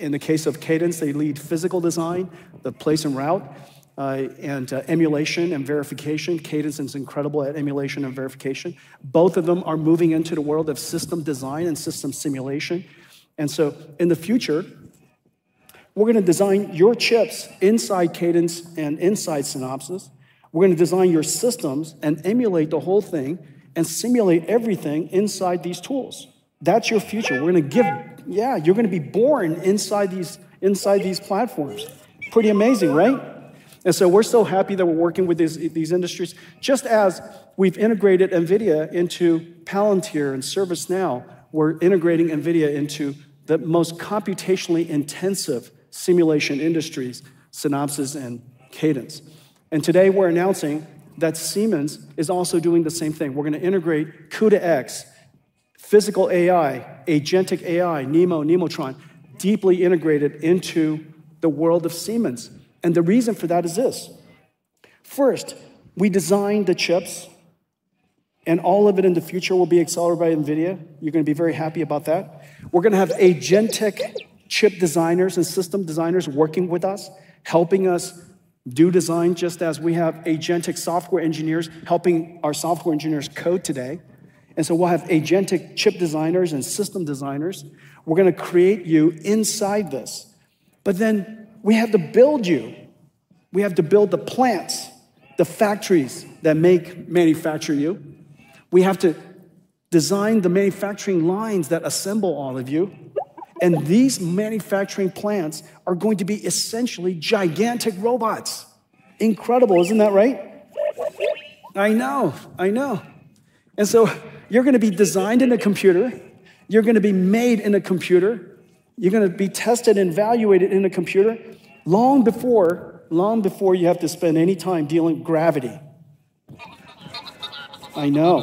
In the case of Cadence, they lead physical design, the place and route, and emulation and verification. Cadence is incredible at emulation and verification. Both of them are moving into the world of system design and system simulation. In the future, we're going to design your chips inside Cadence and inside Synopsys. We're going to design your systems and emulate the whole thing and simulate everything inside these tools. That's your future. We're going to give, yeah, you're going to be born inside these platforms. Pretty amazing, right? So we're so happy that we're working with these industries. Just as we've integrated NVIDIA into Palantir and ServiceNow, we're integrating NVIDIA into the most computationally intensive simulation industries, Synopsys and Cadence. Today we're announcing that Siemens is also doing the same thing. We're going to integrate CUDA-X, physical AI, Agentic AI, NeMo, Nemotron, deeply integrated into the world of Siemens. The reason for that is this. First, we designed the chips, and all of it in the future will be accelerated by NVIDIA. You're going to be very happy about that. We're going to have agentic chip designers and system designers working with us, helping us do design just as we have agentic software engineers helping our software engineers code today. So we'll have agentic chip designers and system designers. We're going to create you inside this. Then we have to build you. We have to build the plants, the factories that manufacture you. We have to design the manufacturing lines that assemble all of you. And these manufacturing plants are going to be essentially gigantic robots. Incredible, isn't that right? I know. I know. And so you're going to be designed in a computer. You're going to be made in a computer. You're going to be tested and evaluated in a computer long before, long before you have to spend any time dealing with gravity. I know.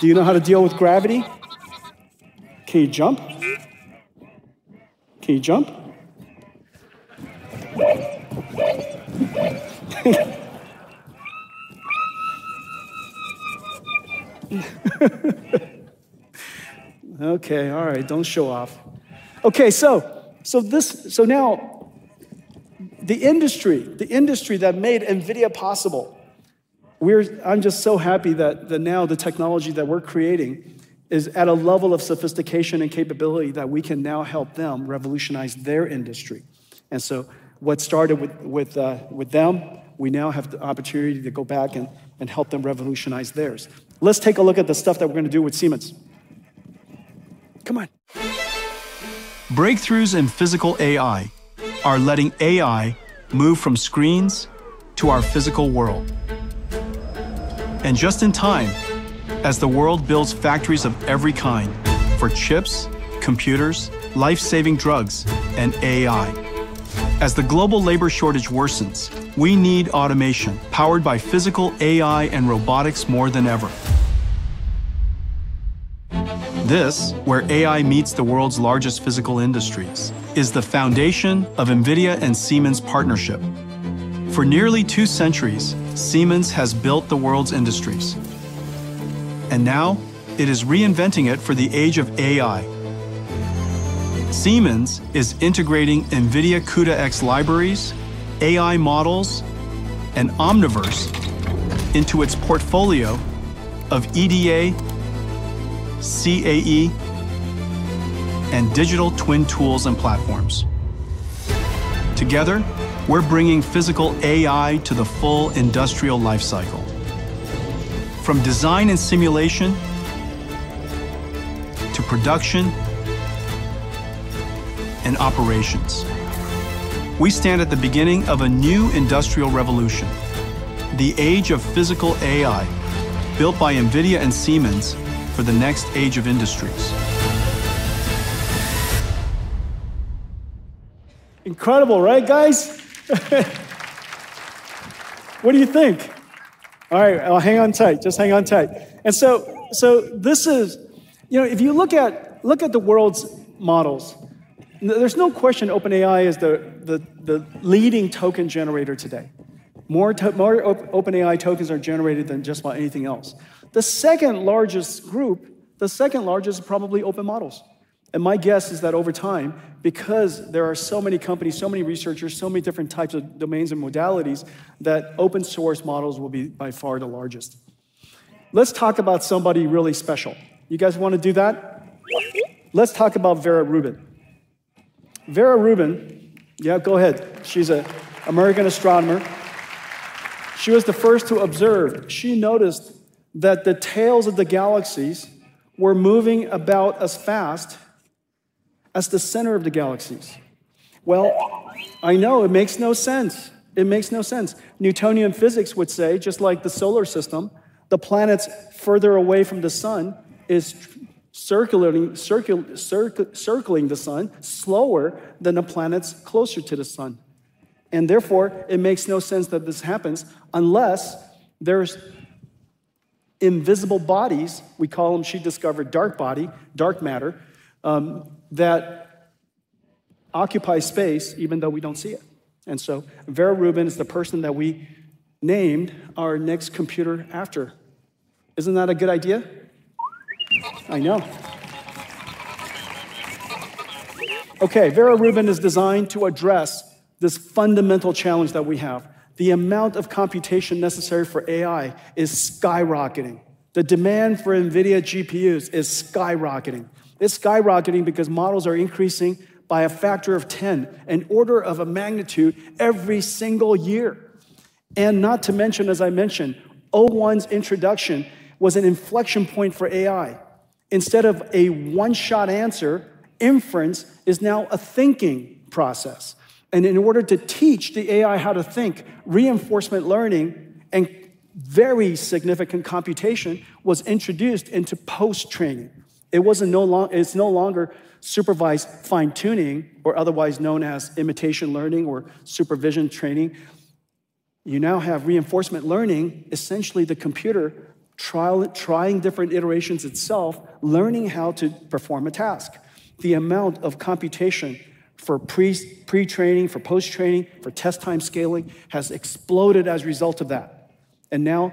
Do you know how to deal with gravity? Can you jump? Can you jump? Okay. All right. Don't show off. Okay. So now the industry that made NVIDIA possible. I'm just so happy that now the technology that we're creating is at a level of sophistication and capability that we can now help them revolutionize their industry. And so what started with them, we now have the opportunity to go back and help them revolutionize theirs. Let's take a look at the stuff that we're going to do with Siemens. Come on. Breakthroughs in physical AI are letting AI move from screens to our physical world. And just in time, as the world builds factories of every kind for chips, computers, life-saving drugs, and AI. As the global labor shortage worsens, we need automation powered by physical AI and robotics more than ever. This, where AI meets the world's largest physical industries, is the foundation of NVIDIA and Siemens' partnership. For nearly two centuries, Siemens has built the world's industries. And now it is reinventing it for the age of AI. Siemens is integrating NVIDIA CUDA-X libraries, AI models, and Omniverse into its portfolio of EDA, CAE, and digital twin tools and platforms. Together, we're bringing physical AI to the full industrial life cycle, from design and simulation to production and operations. We stand at the beginning of a new industrial revolution, the age of physical AI built by NVIDIA and Siemens for the next age of industries. Incredible, right, guys? What do you think? All right, well, hang on tight. Just hang on tight, and so this is, if you look at the world's models, there's no question OpenAI is the leading token generator today. More OpenAI tokens are generated than just about anything else. The second largest group, the second largest is probably open models. And my guess is that over time, because there are so many companies, so many researchers, so many different types of domains and modalities, that open-source models will be by far the largest. Let's talk about somebody really special. You guys want to do that? Let's talk about Vera Rubin. Vera Rubin, yeah, go ahead. She's an American astronomer. She was the first to observe. She noticed that the tails of the galaxies were moving about as fast as the center of the galaxies. I know it makes no sense. It makes no sense. Newtonian physics would say, just like the solar system, the planets further away from the sun are circling the sun slower than the planets closer to the sun. Therefore, it makes no sense that this happens unless there are invisible bodies. We call them. She discovered dark matter that occupy space even though we don't see it. So Vera Rubin is the person that we named our next computer after. Isn't that a good idea? I know. Okay. Vera Rubin is designed to address this fundamental challenge that we have. The amount of computation necessary for AI is skyrocketing. The demand for NVIDIA GPUs is skyrocketing. It's skyrocketing because models are increasing by a factor of 10, an order of magnitude every single year, and not to mention, as I mentioned, o1's introduction was an inflection point for AI. Instead of a one-shot answer, inference is now a thinking process, and in order to teach the AI how to think, reinforcement learning, and very significant computation was introduced into post-training. It's no longer supervised fine-tuning, or otherwise known as imitation learning or supervision training. You now have reinforcement learning, essentially the computer trying different iterations itself, learning how to perform a task. The amount of computation for pre-training, for post-training, for test-time scaling has exploded as a result of that. And now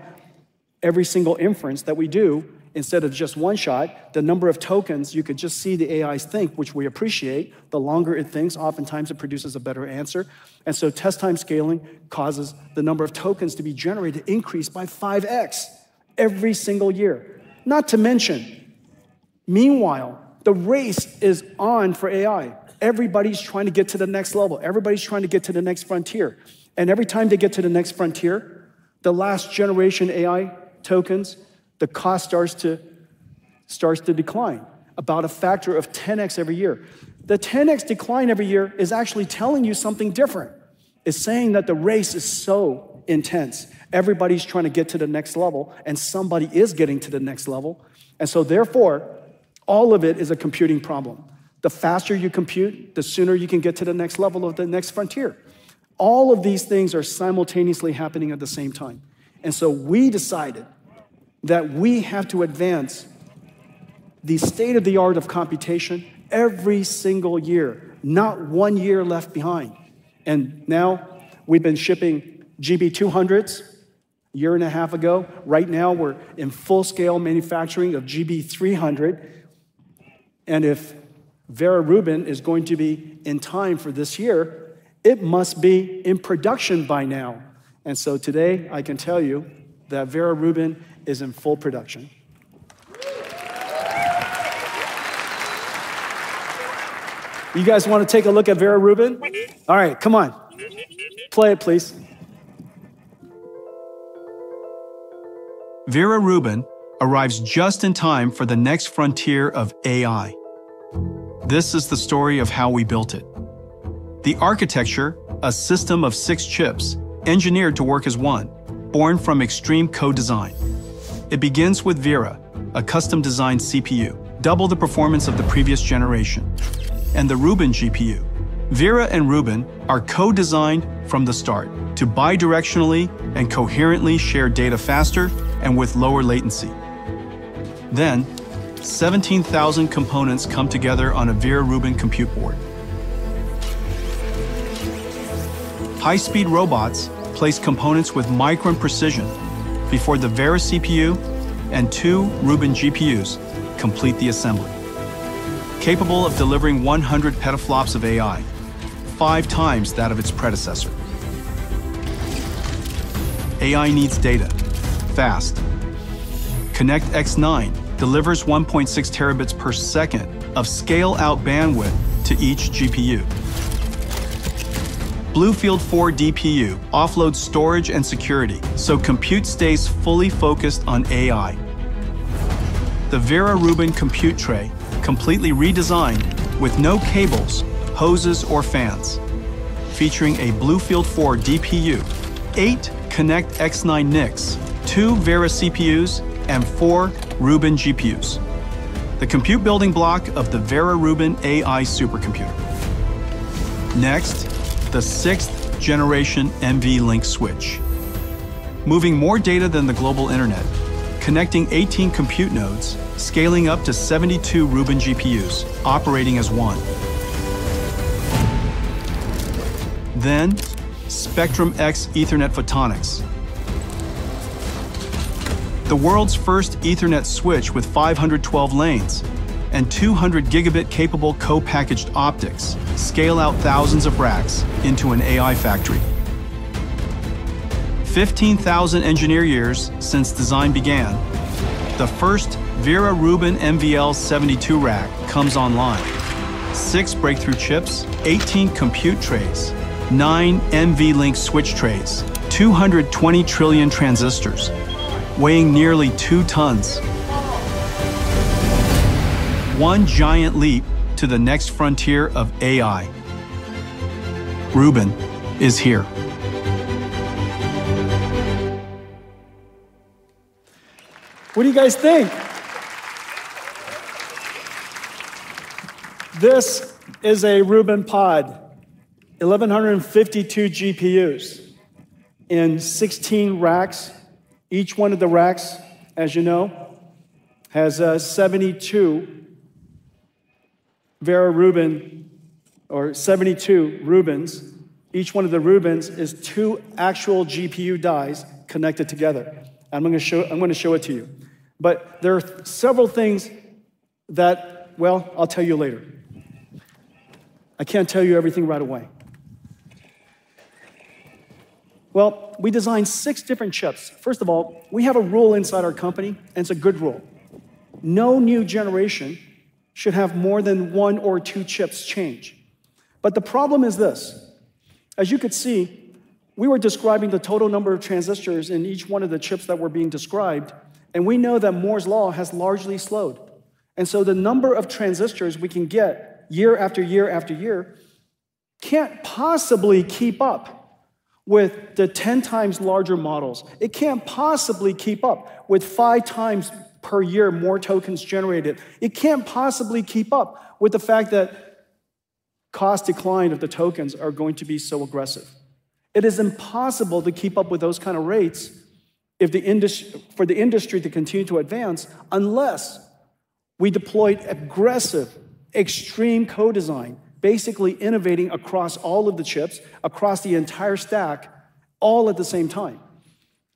every single inference that we do, instead of just one shot, the number of tokens you could just see the AI think, which we appreciate, the longer it thinks, oftentimes it produces a better answer. And so test-time scaling causes the number of tokens to be generated to increase by 5x every single year. Not to mention, meanwhile, the race is on for AI. Everybody's trying to get to the next level. Everybody's trying to get to the next frontier. And every time they get to the next frontier, the last generation AI tokens, the cost starts to decline about a factor of 10x every year. The 10x decline every year is actually telling you something different. It's saying that the race is so intense. Everybody's trying to get to the next level, and somebody is getting to the next level. And so therefore, all of it is a computing problem. The faster you compute, the sooner you can get to the next level of the next frontier. All of these things are simultaneously happening at the same time. And so we decided that we have to advance the state of the art of computation every single year, not one year left behind. And now we've been shipping GB200s a year and a half ago. Right now, we're in full-scale manufacturing of GB300. And if Vera Rubin is going to be in time for this year, it must be in production by now. And so today, I can tell you that Vera Rubin is in full production. You guys want to take a look at Vera Rubin? All right. Come on. Play it, please. Vera Rubin arrives just in time for the next frontier of AI. This is the story of how we built it. The architecture, a system of six chips engineered to work as one, born from extreme co-design. It begins with Vera, a custom-designed CPU, double the performance of the previous generation, and the Rubin GPU. Vera and Rubin are co-designed from the start to bidirectionally and coherently share data faster and with lower latency. Then, 17,000 components come together on a Vera Rubin compute board. High-speed robots place components with micron precision before the Vera CPU and two Rubin GPUs complete the assembly, capable of delivering 100 petaflops of AI, five times that of its predecessor. AI needs data fast. ConnectX-9 delivers 1.6 terabits per second of scale-out bandwidth to each GPU. BlueField-4 DPU offloads storage and security so compute stays fully focused on AI. The Vera Rubin compute tray completely redesigned with no cables, hoses, or fans, featuring a BlueField-4 DPU, eight ConnectX-9 NICs, two Vera CPUs, and four Rubin GPUs. The compute building block of the Vera Rubin AI supercomputer. Next, the sixth-generation NVLink switch, moving more data than the global internet, connecting 18 compute nodes, scaling up to 72 Rubin GPUs operating as one. Then, Spectrum-X Ethernet Photonics, the world's first Ethernet switch with 512 lanes and 200 Gb capable co-packaged optics, scale out thousands of racks into an AI factory. 15,000 engineer years since design began, the first Vera Rubin NVLink72 rack comes online. Six breakthrough chips, 18 compute trays, nine NVLink switch trays, 220 trillion transistors, weighing nearly two tons. One giant leap to the next frontier of AI. Rubin is here. What do you guys think? This is a Rubin Pod, 1,152 GPUs in 16 racks. Each one of the racks, as you know, has 72 Vera Rubin or 72 Rubins. Each one of the Rubins is two actual GPU dies connected together. I'm going to show it to you. But there are several things that, well, I'll tell you later. I can't tell you everything right away. Well, we designed six different chips. First of all, we have a rule inside our company, and it's a good rule. No new generation should have more than one or two chips change. But the problem is this. As you could see, we were describing the total number of transistors in each one of the chips that were being described, and we know that Moore's Law has largely slowed. And so the number of transistors we can get year after year after year can't possibly keep up with the 10 times larger models. It can't possibly keep up with five times per year more tokens generated. It can't possibly keep up with the fact that cost decline of the tokens are going to be so aggressive. It is impossible to keep up with those kinds of rates for the industry to continue to advance unless we deployed aggressive, extreme co-design, basically innovating across all of the chips, across the entire stack, all at the same time,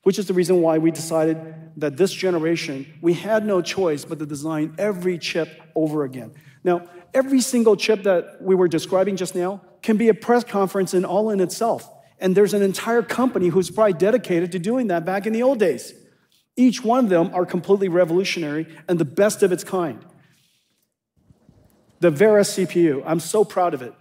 which is the reason why we decided that this generation, we had no choice but to design every chip over again. Now, every single chip that we were describing just now can be a press conference all in itself. And there's an entire company who's probably dedicated to doing that back in the old days. Each one of them is completely revolutionary and the best of its kind. The Vera CPU, I'm so proud of it.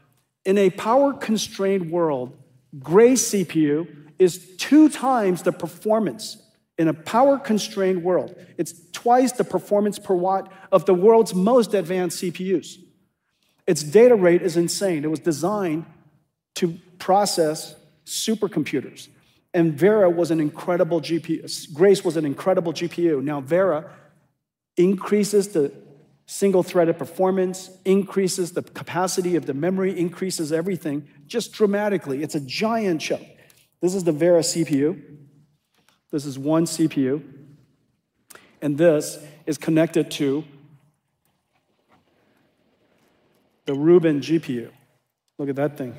In a power-constrained world, Grace CPU is two times the performance. In a power-constrained world, it's twice the performance per watt of the world's most advanced CPUs. Its data rate is insane. It was designed to process supercomputers. Vera was an incredible GPU. Grace was an incredible GPU. Now, Vera increases the single-threaded performance, increases the capacity of the memory, increases everything just dramatically. It's a giant chip. This is the Vera CPU. This is one CPU. This is connected to the Rubin GPU. Look at that thing.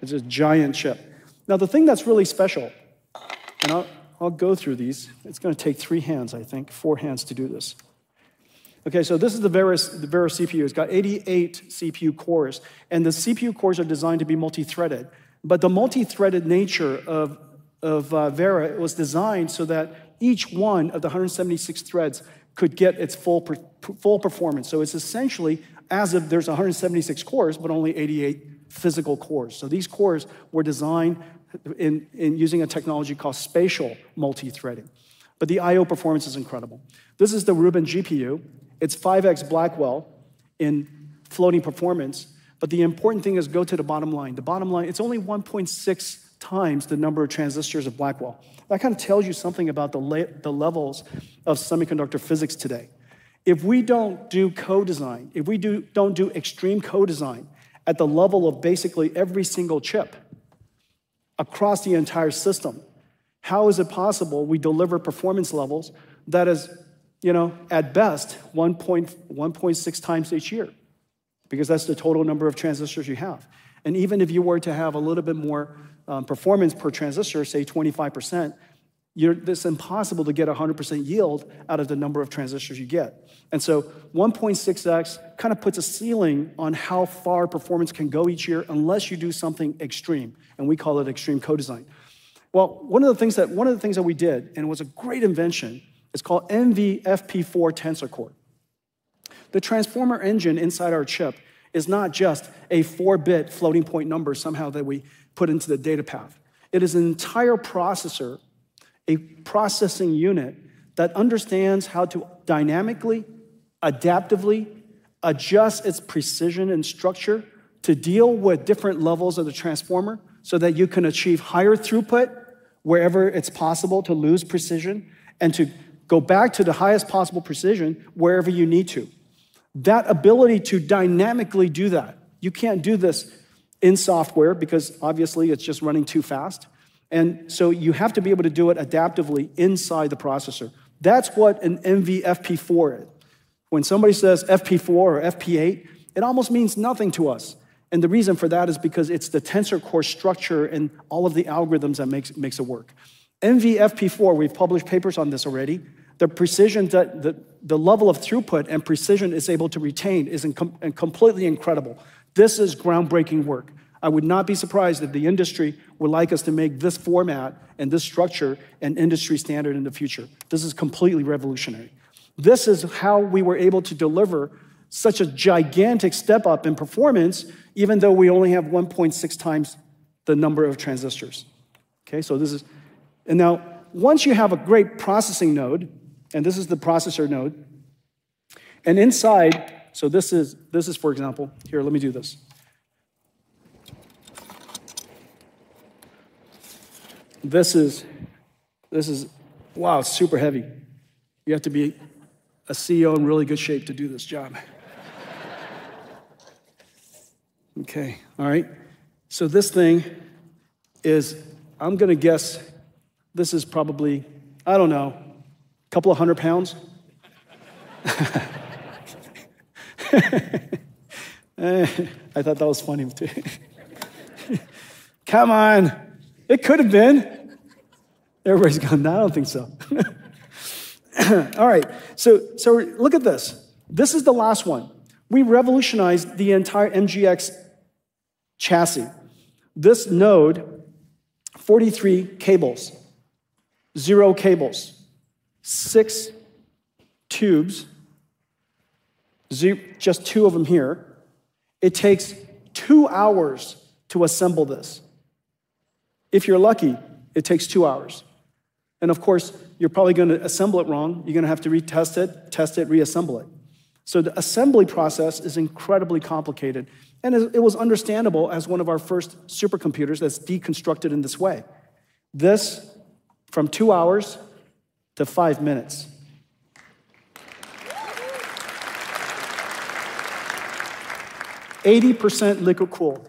It's a giant chip. Now, the thing that's really special, and I'll go through these. It's going to take three hands, I think, four hands to do this. Okay. So this is the Vera CPU. It's got 88 CPU cores. The CPU cores are designed to be multi-threaded. But the multi-threaded nature of Vera was designed so that each one of the 176 threads could get its full performance. So it's essentially as if there's 176 cores, but only 88 physical cores. So these cores were designed using a technology called Spatial Multi-Threading. But the I/O performance is incredible. This is the Rubin GPU. It's 5x Blackwell in floating performance. But the important thing is go to the bottom line. The bottom line, it's only 1.6 times the number of transistors of Blackwell. That kind of tells you something about the levels of semiconductor physics today. If we don't do co-design, if we don't do extreme co-design at the level of basically every single chip across the entire system, how is it possible we deliver performance levels that is, at best, 1.6x each year? Because that's the total number of transistors you have. Even if you were to have a little bit more performance per transistor, say 25%, it's impossible to get 100% yield out of the number of transistors you get. And so 1.6x kind of puts a ceiling on how far performance can go each year unless you do something extreme. And we call it extreme co-design. One of the things that we did, and it was a great invention, it's called MVFP4 Tensor Core. The transformer engine inside our chip is not just a four-bit floating point number somehow that we put into the data path. It is an entire processor, a processing unit that understands how to dynamically, adaptively adjust its precision and structure to deal with different levels of the transformer so that you can achieve higher throughput wherever it's possible to lose precision and to go back to the highest possible precision wherever you need to. That ability to dynamically do that, you can't do this in software because obviously it's just running too fast, and so you have to be able to do it adaptively inside the processor. That's what an MVFP4 is. When somebody says FP4 or FP8, it almost means nothing to us, and the reason for that is because it's the Tensor Core structure and all of the algorithms that makes it work. MVFP4, we've published papers on this already. The precision, the level of throughput and precision it's able to retain is completely incredible. This is groundbreaking work. I would not be surprised if the industry would like us to make this format and this structure an industry standard in the future. This is completely revolutionary. This is how we were able to deliver such a gigantic step up in performance, even though we only have 1.6 times the number of transistors. Okay. So this is, and now once you have a great processing node, and this is the processor node, and inside, so this is, for example, here. Let me do this. This is, wow, super heavy. You have to be a CEO in really good shape to do this job. Okay. All right. So this thing is, I'm going to guess this is probably, I don't know, a couple of hundred pounds. I thought that was funny too. Come on. It could have been. Everybody's going, "No, I don't think so." All right. So look at this. This is the last one. We revolutionized the entire MGX chassis. This node, 43 cables, zero cables, six tubes, just two of them here. It takes two hours to assemble this. If you're lucky, it takes two hours. And of course, you're probably going to assemble it wrong. You're going to have to retest it, test it, reassemble it. So the assembly process is incredibly complicated. And it was understandable as one of our first supercomputers that's deconstructed in this way. This from two hours to five minutes. 80% liquid cooled,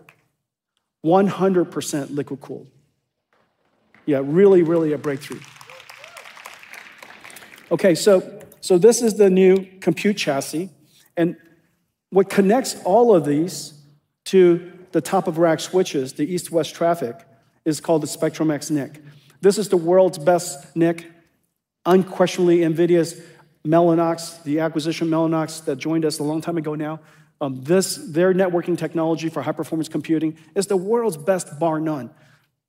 100% liquid cooled. Yeah. Really, really a breakthrough. Okay. So this is the new compute chassis. And what connects all of these to the top of rack switches, the east-west traffic, is called the Spectrum-X NIC. This is the world's best NIC, unquestionably NVIDIA's Mellanox, the acquisition Mellanox that joined us a long time ago now. Their networking technology for high-performance computing is the world's best, bar none.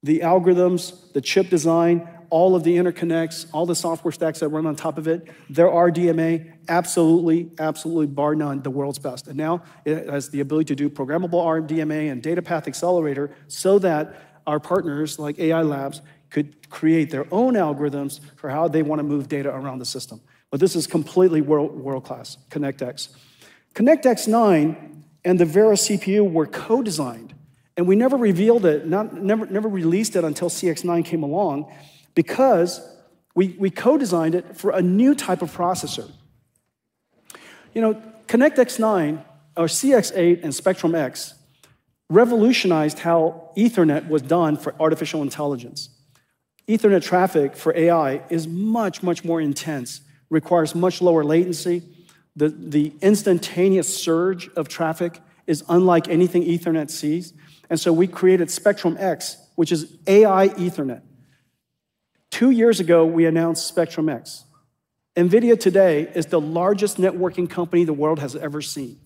The algorithms, the chip design, all of the interconnects, all the software stacks that run on top of it, their RDMA, absolutely, absolutely bar none, the world's best. Now it has the ability to do programmable RDMA and data path accelerator so that our partners like AI Labs could create their own algorithms for how they want to move data around the system. But this is completely world-class, ConnectX. ConnectX-9 and the Vera CPU were co-designed. We never revealed it, never released it until CX9 came along because we co-designed it for a new type of processor. ConnectX-9 or CX8 and Spectrum-X revolutionized how Ethernet was done for artificial intelligence. Ethernet traffic for AI is much, much more intense, requires much lower latency. The instantaneous surge of traffic is unlike anything Ethernet sees, and so we created Spectrum-X, which is AI Ethernet. Two years ago, we announced Spectrum-X. NVIDIA today is the largest networking company the world has ever seen,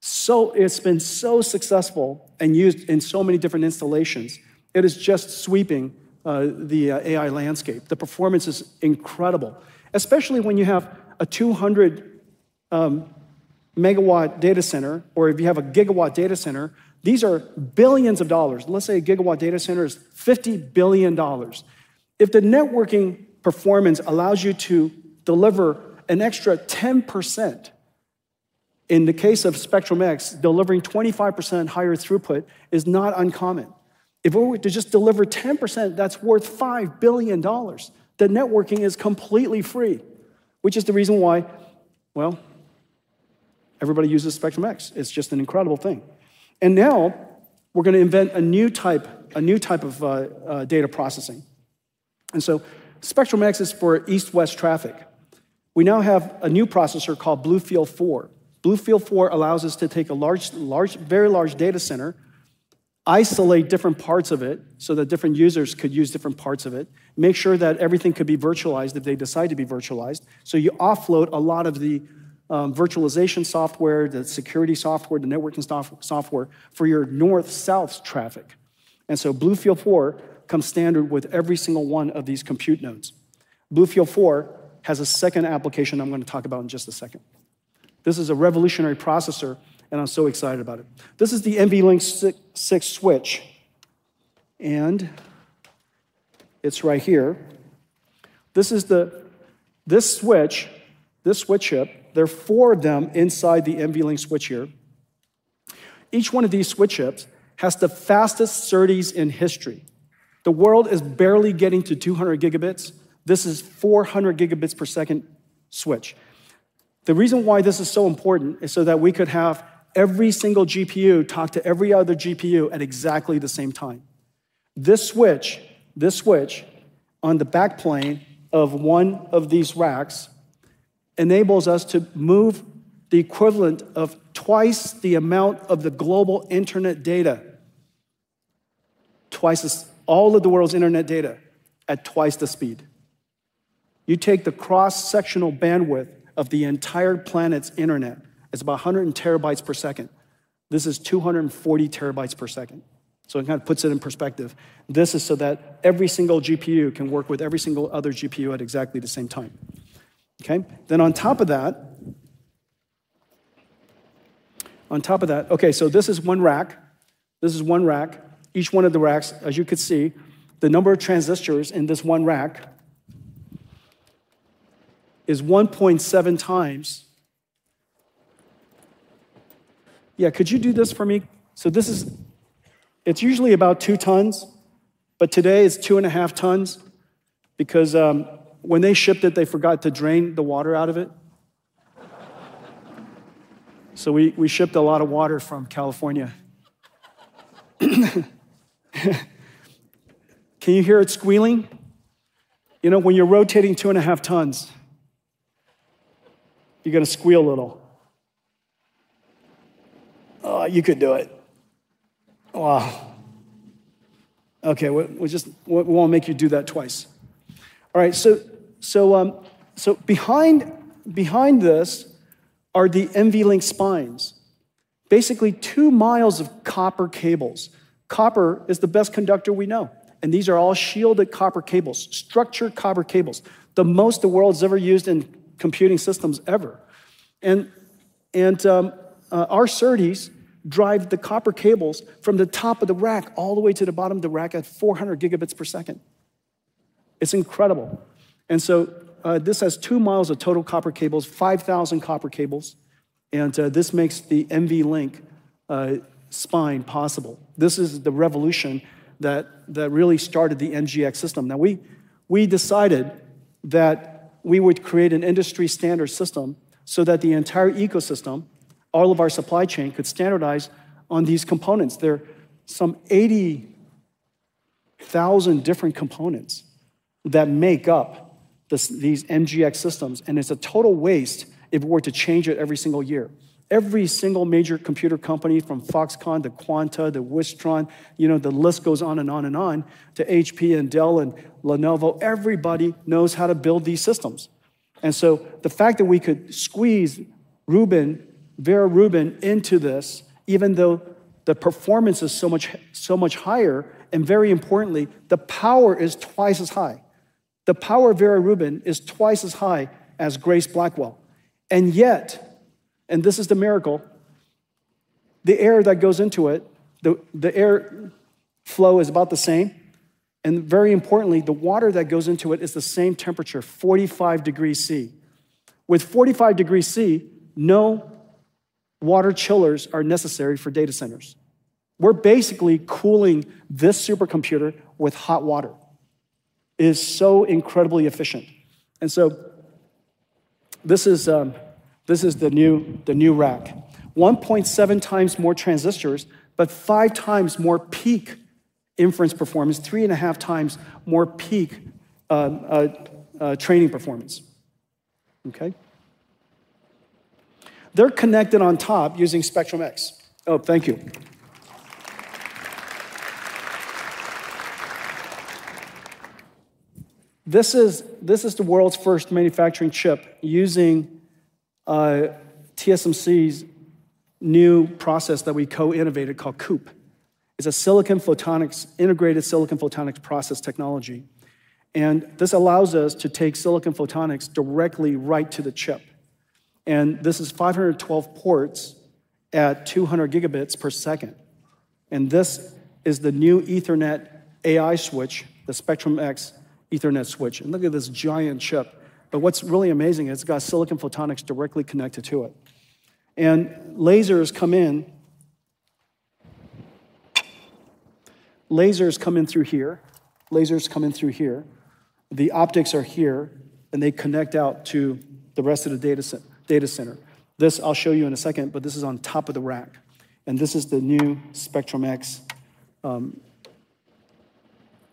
so it's been so successful and used in so many different installations. It is just sweeping the AI landscape. The performance is incredible, especially when you have a 200-megawatt data center or if you have a gigawatt data center. These are billions of dollars. Let's say a gigawatt data center is $50 billion. If the networking performance allows you to deliver an extra 10%, in the case of Spectrum-X, delivering 25% higher throughput is not uncommon. If we were to just deliver 10%, that's worth $5 billion. The networking is completely free, which is the reason why, well, everybody uses Spectrum-X. It's just an incredible thing. And now we're going to invent a new type of data processing. And so Spectrum-X is for east-west traffic. We now have a new processor called BlueField-4. BlueField-4 allows us to take a very large data center, isolate different parts of it so that different users could use different parts of it, make sure that everything could be virtualized if they decide to be virtualized. So you offload a lot of the virtualization software, the security software, the networking software for your north-south traffic. And so BlueField-4 comes standard with every single one of these compute nodes. BlueField-4 has a second application I'm going to talk about in just a second. This is a revolutionary processor, and I'm so excited about it. This is the NVLink 6 switch, and it's right here. This switch chip, there are four of them inside the NVLink switch here. Each one of these switch chips has the fastest SerDes in history. The world is barely getting to 200 Gb. This is 400 Gb/s switch. The reason why this is so important is so that we could have every single GPU talk to every other GPU at exactly the same time. This switch on the backplane of one of these racks enables us to move the equivalent of twice the amount of the global internet data, twice all of the world's internet data at twice the speed. You take the cross-sectional bandwidth of the entire planet's internet. It's about 100 TB/s. This is 240 TB/s, so it kind of puts it in perspective. This is so that every single GPU can work with every single other GPU at exactly the same time. Okay. Then on top of that, on top of that, okay, so this is one rack. This is one rack. Each one of the racks, as you could see, the number of transistors in this one rack is 1.7x. Yeah. Could you do this for me? So this is, it's usually about two tons, but today it's two and a half tons because when they shipped it, they forgot to drain the water out of it. So we shipped a lot of water from California. Can you hear it squealing? You know, when you're rotating two and a half tons, you're going to squeal a little. Oh, you could do it. Wow. Okay. We won't make you do that twice. All right. So behind this are the NVLink spines, basically two miles of copper cables. Copper is the best conductor we know. And these are all shielded copper cables, structured copper cables, the most the world's ever used in computing systems ever. And our SerDes drive the copper cables from the top of the rack all the way to the bottom of the rack at 400 Gb/s. It's incredible. And so this has two miles of total copper cables, 5,000 copper cables. And this makes the NVLink spine possible. This is the revolution that really started the DGX system. Now, we decided that we would create an industry standard system so that the entire ecosystem, all of our supply chain could standardize on these components. There are some 80,000 different components that make up these DGX systems. It's a total waste if we were to change it every single year. Every single major computer company from Foxconn to Quanta to Wistron, the list goes on and on and on to HP and Dell and Lenovo, everybody knows how to build these systems. So the fact that we could squeeze Rubin, Vera Rubin into this, even though the performance is so much higher, and very importantly, the power is twice as high. The power of Vera Rubin is twice as high as Grace Blackwell. Yet, and this is the miracle, the air that goes into it, the air flow is about the same. Very importantly, the water that goes into it is the same temperature, 45 degrees Celsius. With 45 degrees Celsius, no water chillers are necessary for data centers. We're basically cooling this supercomputer with hot water. It is so incredibly efficient. And so this is the new rack. 1.7 times more transistors, but five times more peak inference performance, three and a half times more peak training performance. Okay. They're connected on top using Spectrum-X. Oh, thank you. This is the world's first manufacturing chip using TSMC's new process that we co-innovated called CoPoS. It's a silicon photonics, integrated silicon photonics process technology. And this allows us to take silicon photonics directly right to the chip. And this is 512 ports at 200 Gb/s. And this is the new Ethernet AI switch, the Spectrum-X Ethernet switch. And look at this giant chip. But what's really amazing is it's got silicon photonics directly connected to it. And lasers come in. Lasers come in through here. Lasers come in through here. The optics are here, and they connect out to the rest of the data center. This I'll show you in a second, but this is on top of the rack. And this is the new Spectrum-X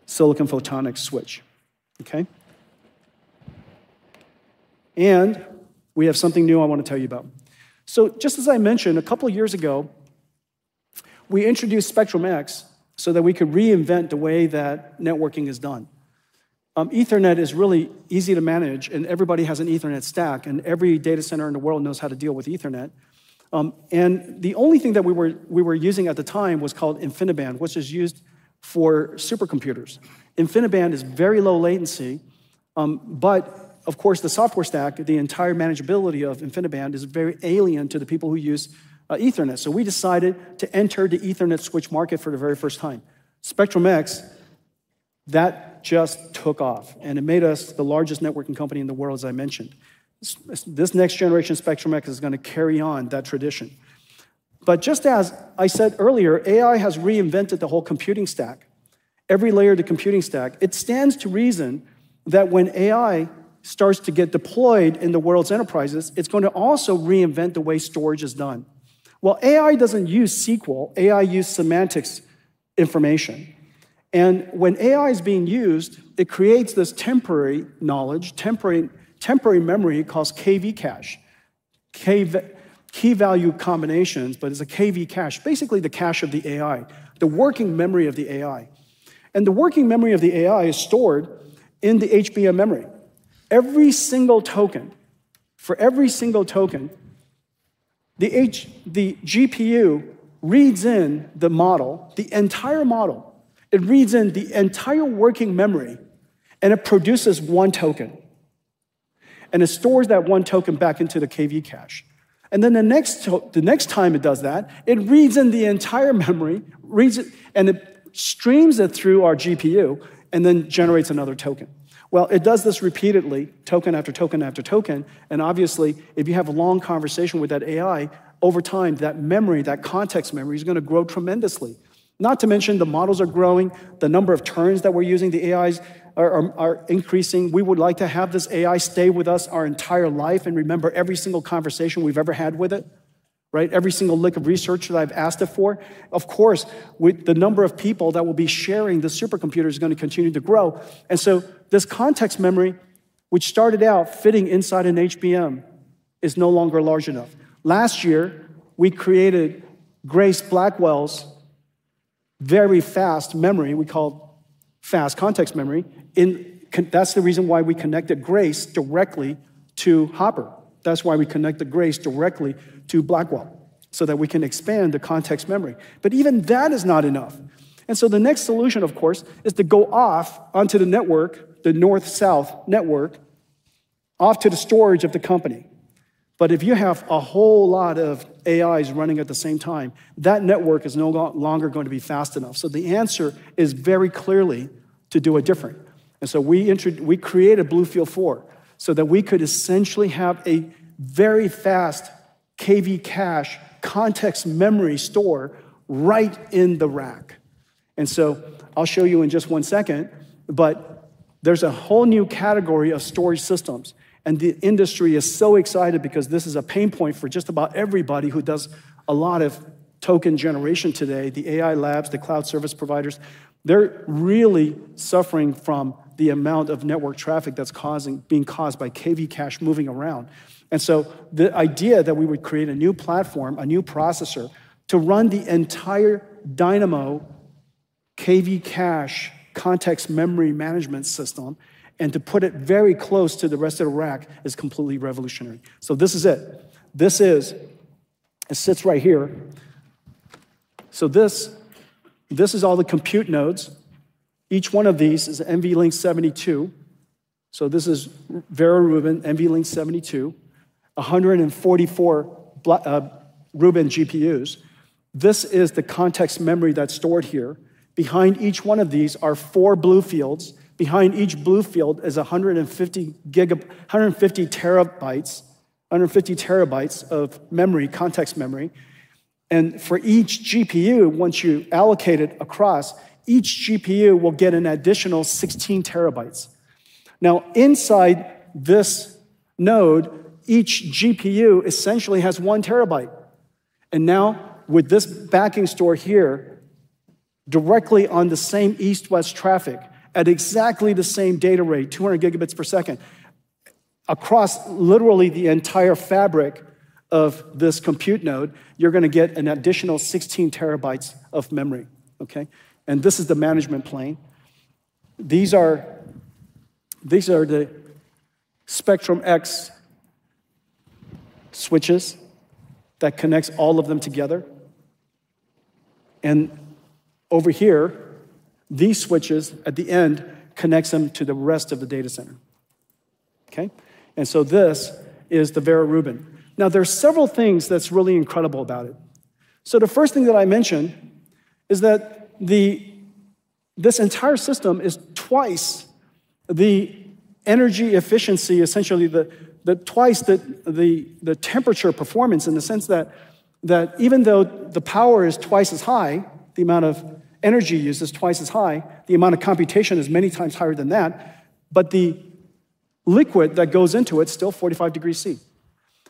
Silicon Photonics switch. Okay. And we have something new I want to tell you about. So just as I mentioned, a couple of years ago, we introduced Spectrum-X so that we could reinvent the way that networking is done. Ethernet is really easy to manage, and everybody has an Ethernet stack, and every data center in the world knows how to deal with Ethernet. And the only thing that we were using at the time was called InfiniBand, which is used for supercomputers. InfiniBand is very low latency, but of course, the software stack, the entire manageability of InfiniBand is very alien to the people who use Ethernet. So we decided to enter the Ethernet switch market for the very first time. Spectrum-X, that just took off, and it made us the largest networking company in the world, as I mentioned. This next generation Spectrum-X is going to carry on that tradition, but just as I said earlier, AI has reinvented the whole computing stack, every layer of the computing stack. It stands to reason that when AI starts to get deployed in the world's enterprises, it's going to also reinvent the way storage is done. Well, AI doesn't use SQL. AI uses semantic information. And when AI is being used, it creates this temporary knowledge, temporary memory called KV cache, key-value combinations, but it's a KV cache, basically the cache of the AI, the working memory of the AI. And the working memory of the AI is stored in the HBM memory. Every single token, for every single token, the GPU reads in the model, the entire model. It reads in the entire working memory, and it produces one token. And it stores that one token back into the KV cache. And then the next time it does that, it reads in the entire memory, and it streams it through our GPU, and then generates another token. It does this repeatedly, token after token after token. And obviously, if you have a long conversation with that AI, over time, that memory, that context memory is going to grow tremendously. Not to mention the models are growing, the number of turns that we're using, the AIs are increasing. We would like to have this AI stay with us our entire life and remember every single conversation we've ever had with it, right? Every single lick of research that I've asked it for. Of course, the number of people that will be sharing the supercomputer is going to continue to grow. This context memory, which started out fitting inside an HBM, is no longer large enough. Last year, we created Grace Blackwell's very fast memory. We called fast context memory. That's the reason why we connected Grace directly to Hopper. That's why we connected Grace directly to Blackwell so that we can expand the context memory. Even that is not enough. The next solution, of course, is to go off onto the network, the north-south network, off to the storage of the company. If you have a whole lot of AIs running at the same time, that network is no longer going to be fast enough. The answer is very clearly to do it different. And so we created BlueField-4 so that we could essentially have a very fast KV cache context memory store right in the rack. And so I'll show you in just one second, but there's a whole new category of storage systems. And the industry is so excited because this is a pain point for just about everybody who does a lot of token generation today. The AI labs, the cloud service providers, they're really suffering from the amount of network traffic that's being caused by KV cache moving around. And so the idea that we would create a new platform, a new processor to run the entire Dynamo KV cache context memory management system and to put it very close to the rest of the rack is completely revolutionary. So this is it. This sits right here. So this is all the compute nodes. Each one of these is NVLink 72. So this is Vera Rubin, NVLink 72, 144 Rubin GPUs. This is the context memory that's stored here. Behind each one of these are four BlueFields. Behind each BlueField is 150 terabytes of memory, context memory. And for each GPU, once you allocate it across, each GPU will get an additional 16 terabytes. Now, inside this node, each GPU essentially has one terabyte. And now, with this backing store here, directly on the same east-west traffic at exactly the same data rate, 200 Gb/s, across literally the entire fabric of this compute node, you're going to get an additional 16 TB of memory. Okay. And this is the management plane. These are the Spectrum-X switches that connect all of them together. And over here, these switches at the end connect them to the rest of the data center. Okay. And so this is the Vera Rubin. Now, there are several things that's really incredible about it. So the first thing that I mentioned is that this entire system is twice the energy efficiency, essentially the twice the temperature performance in the sense that even though the power is twice as high, the amount of energy used is twice as high, the amount of computation is many times higher than that, but the liquid that goes into it is still 45 degrees Celsius.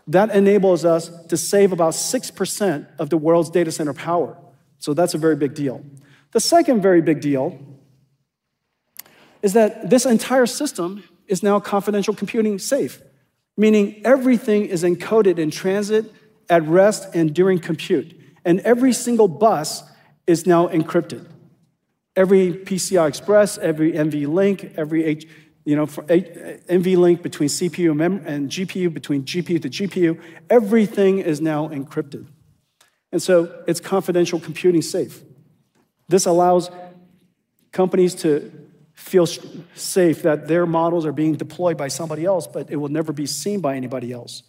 That enables us to save about 6% of the world's data center power. So that's a very big deal. The second very big deal is that this entire system is now confidential computing safe, meaning everything is encoded in transit, at rest, and during compute. And every single bus is now encrypted. Every PCI Express, every NVLink, every NVLink between CPU and GPU, between GPU to GPU, everything is now encrypted. So it's confidential computing safe. This allows companies to feel safe that their models are being deployed by somebody else, but it will never be seen by anybody else.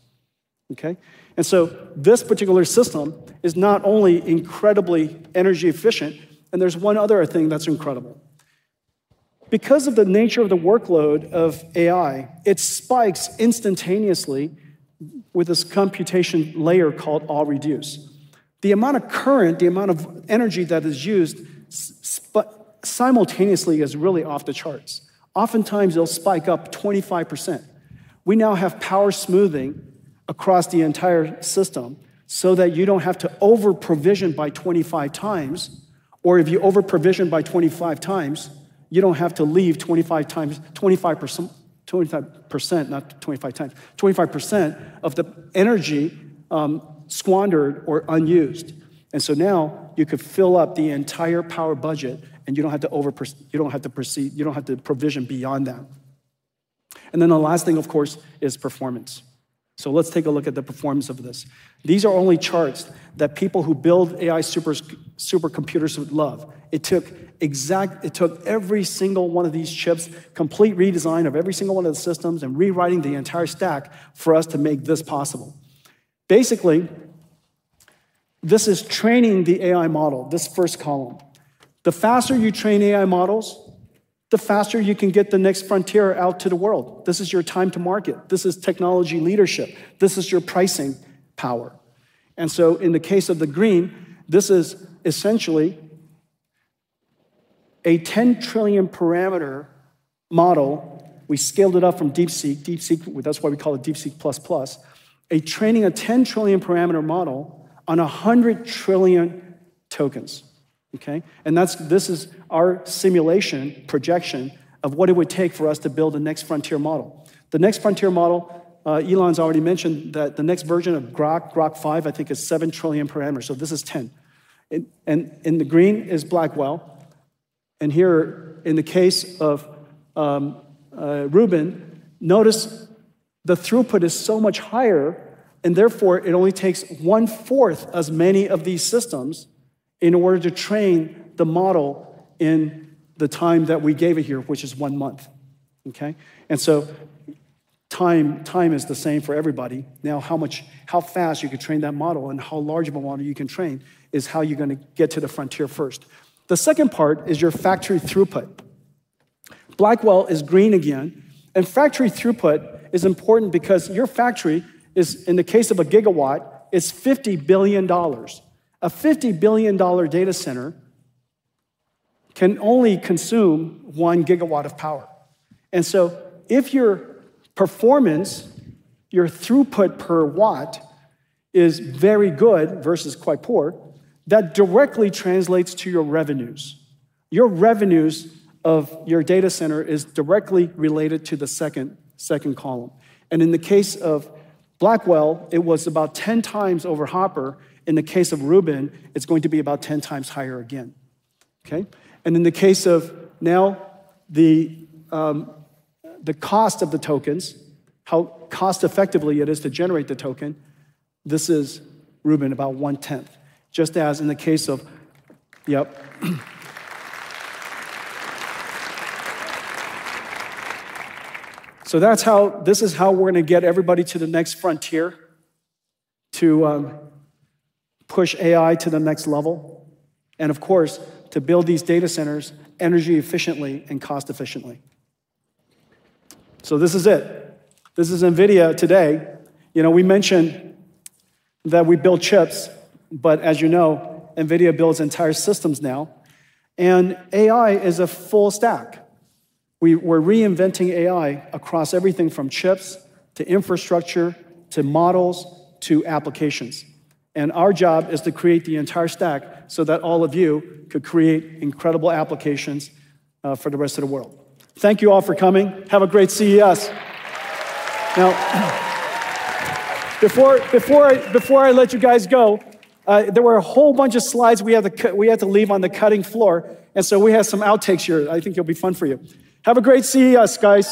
Okay. So this particular system is not only incredibly energy efficient, and there's one other thing that's incredible. Because of the nature of the workload of AI, it spikes instantaneously with this computation layer called all reduce. The amount of current, the amount of energy that is used simultaneously is really off the charts. Oftentimes, it'll spike up 25%. We now have power smoothing across the entire system so that you don't have to over-provision by 25x, or if you over-provision by 25x, you don't have to leave 25x, 25%, not 25 times, 25% of the energy squandered or unused. And so now you could fill up the entire power budget, and you don't have to over, you don't have to proceed, you don't have to provision beyond that. And then the last thing, of course, is performance. So let's take a look at the performance of this. These are only charts that people who build AI supercomputers would love. It took every single one of these chips, complete redesign of every single one of the systems, and rewriting the entire stack for us to make this possible. Basically, this is training the AI model, this first column. The faster you train AI models, the faster you can get the next frontier out to the world. This is your time to market. This is technology leadership. This is your pricing power. And so in the case of the green, this is essentially a 10 trillion parameter model. We scaled it up from DeepSeek. DeepSeek, that's why we call it DeepSeek++, training a 10 trillion parameter model on 100 trillion tokens. Okay. And this is our simulation projection of what it would take for us to build the next frontier model. The next frontier model, Elon's already mentioned that the next version of Grok, Grok-5, I think is 7 trillion parameters. So this is 10. And the green is Blackwell. Here, in the case of Rubin, notice the throughput is so much higher, and therefore it only takes one fourth as many of these systems in order to train the model in the time that we gave it here, which is one month. Okay. Time is the same for everybody. Now, how fast you can train that model and how large of a model you can train is how you're going to get to the frontier first. The second part is your factory throughput. Blackwell is green again. Factory throughput is important because your factory is, in the case of a gigawatt, it's $50 billion. A $50 billion data center can only consume one gigawatt of power. If your performance, your throughput per watt is very good versus quite poor, that directly translates to your revenues. Your revenues of your data center is directly related to the second column. And in the case of Blackwell, it was about 10 times over Hopper. In the case of Rubin, it's going to be about 10 times higher again. Okay. And in the case of now the cost of the tokens, how cost-effectively it is to generate the token, this is Rubin about one tenth, just as in the case of. Yep. So that's how this is how we're going to get everybody to the next frontier to push AI to the next level and, of course, to build these data centers energy efficiently and cost-efficiently. So this is it. This is NVIDIA today. We mentioned that we build chips, but as you know, NVIDIA builds entire systems now, and AI is a full stack. We're reinventing AI across everything from chips to infrastructure to models to applications. Our job is to create the entire stack so that all of you could create incredible applications for the rest of the world. Thank you all for coming. Have a great CES. Now, before I let you guys go, there were a whole bunch of slides we had to leave on the cutting floor. And so we have some outtakes here. I think it'll be fun for you. Have a great CES, guys.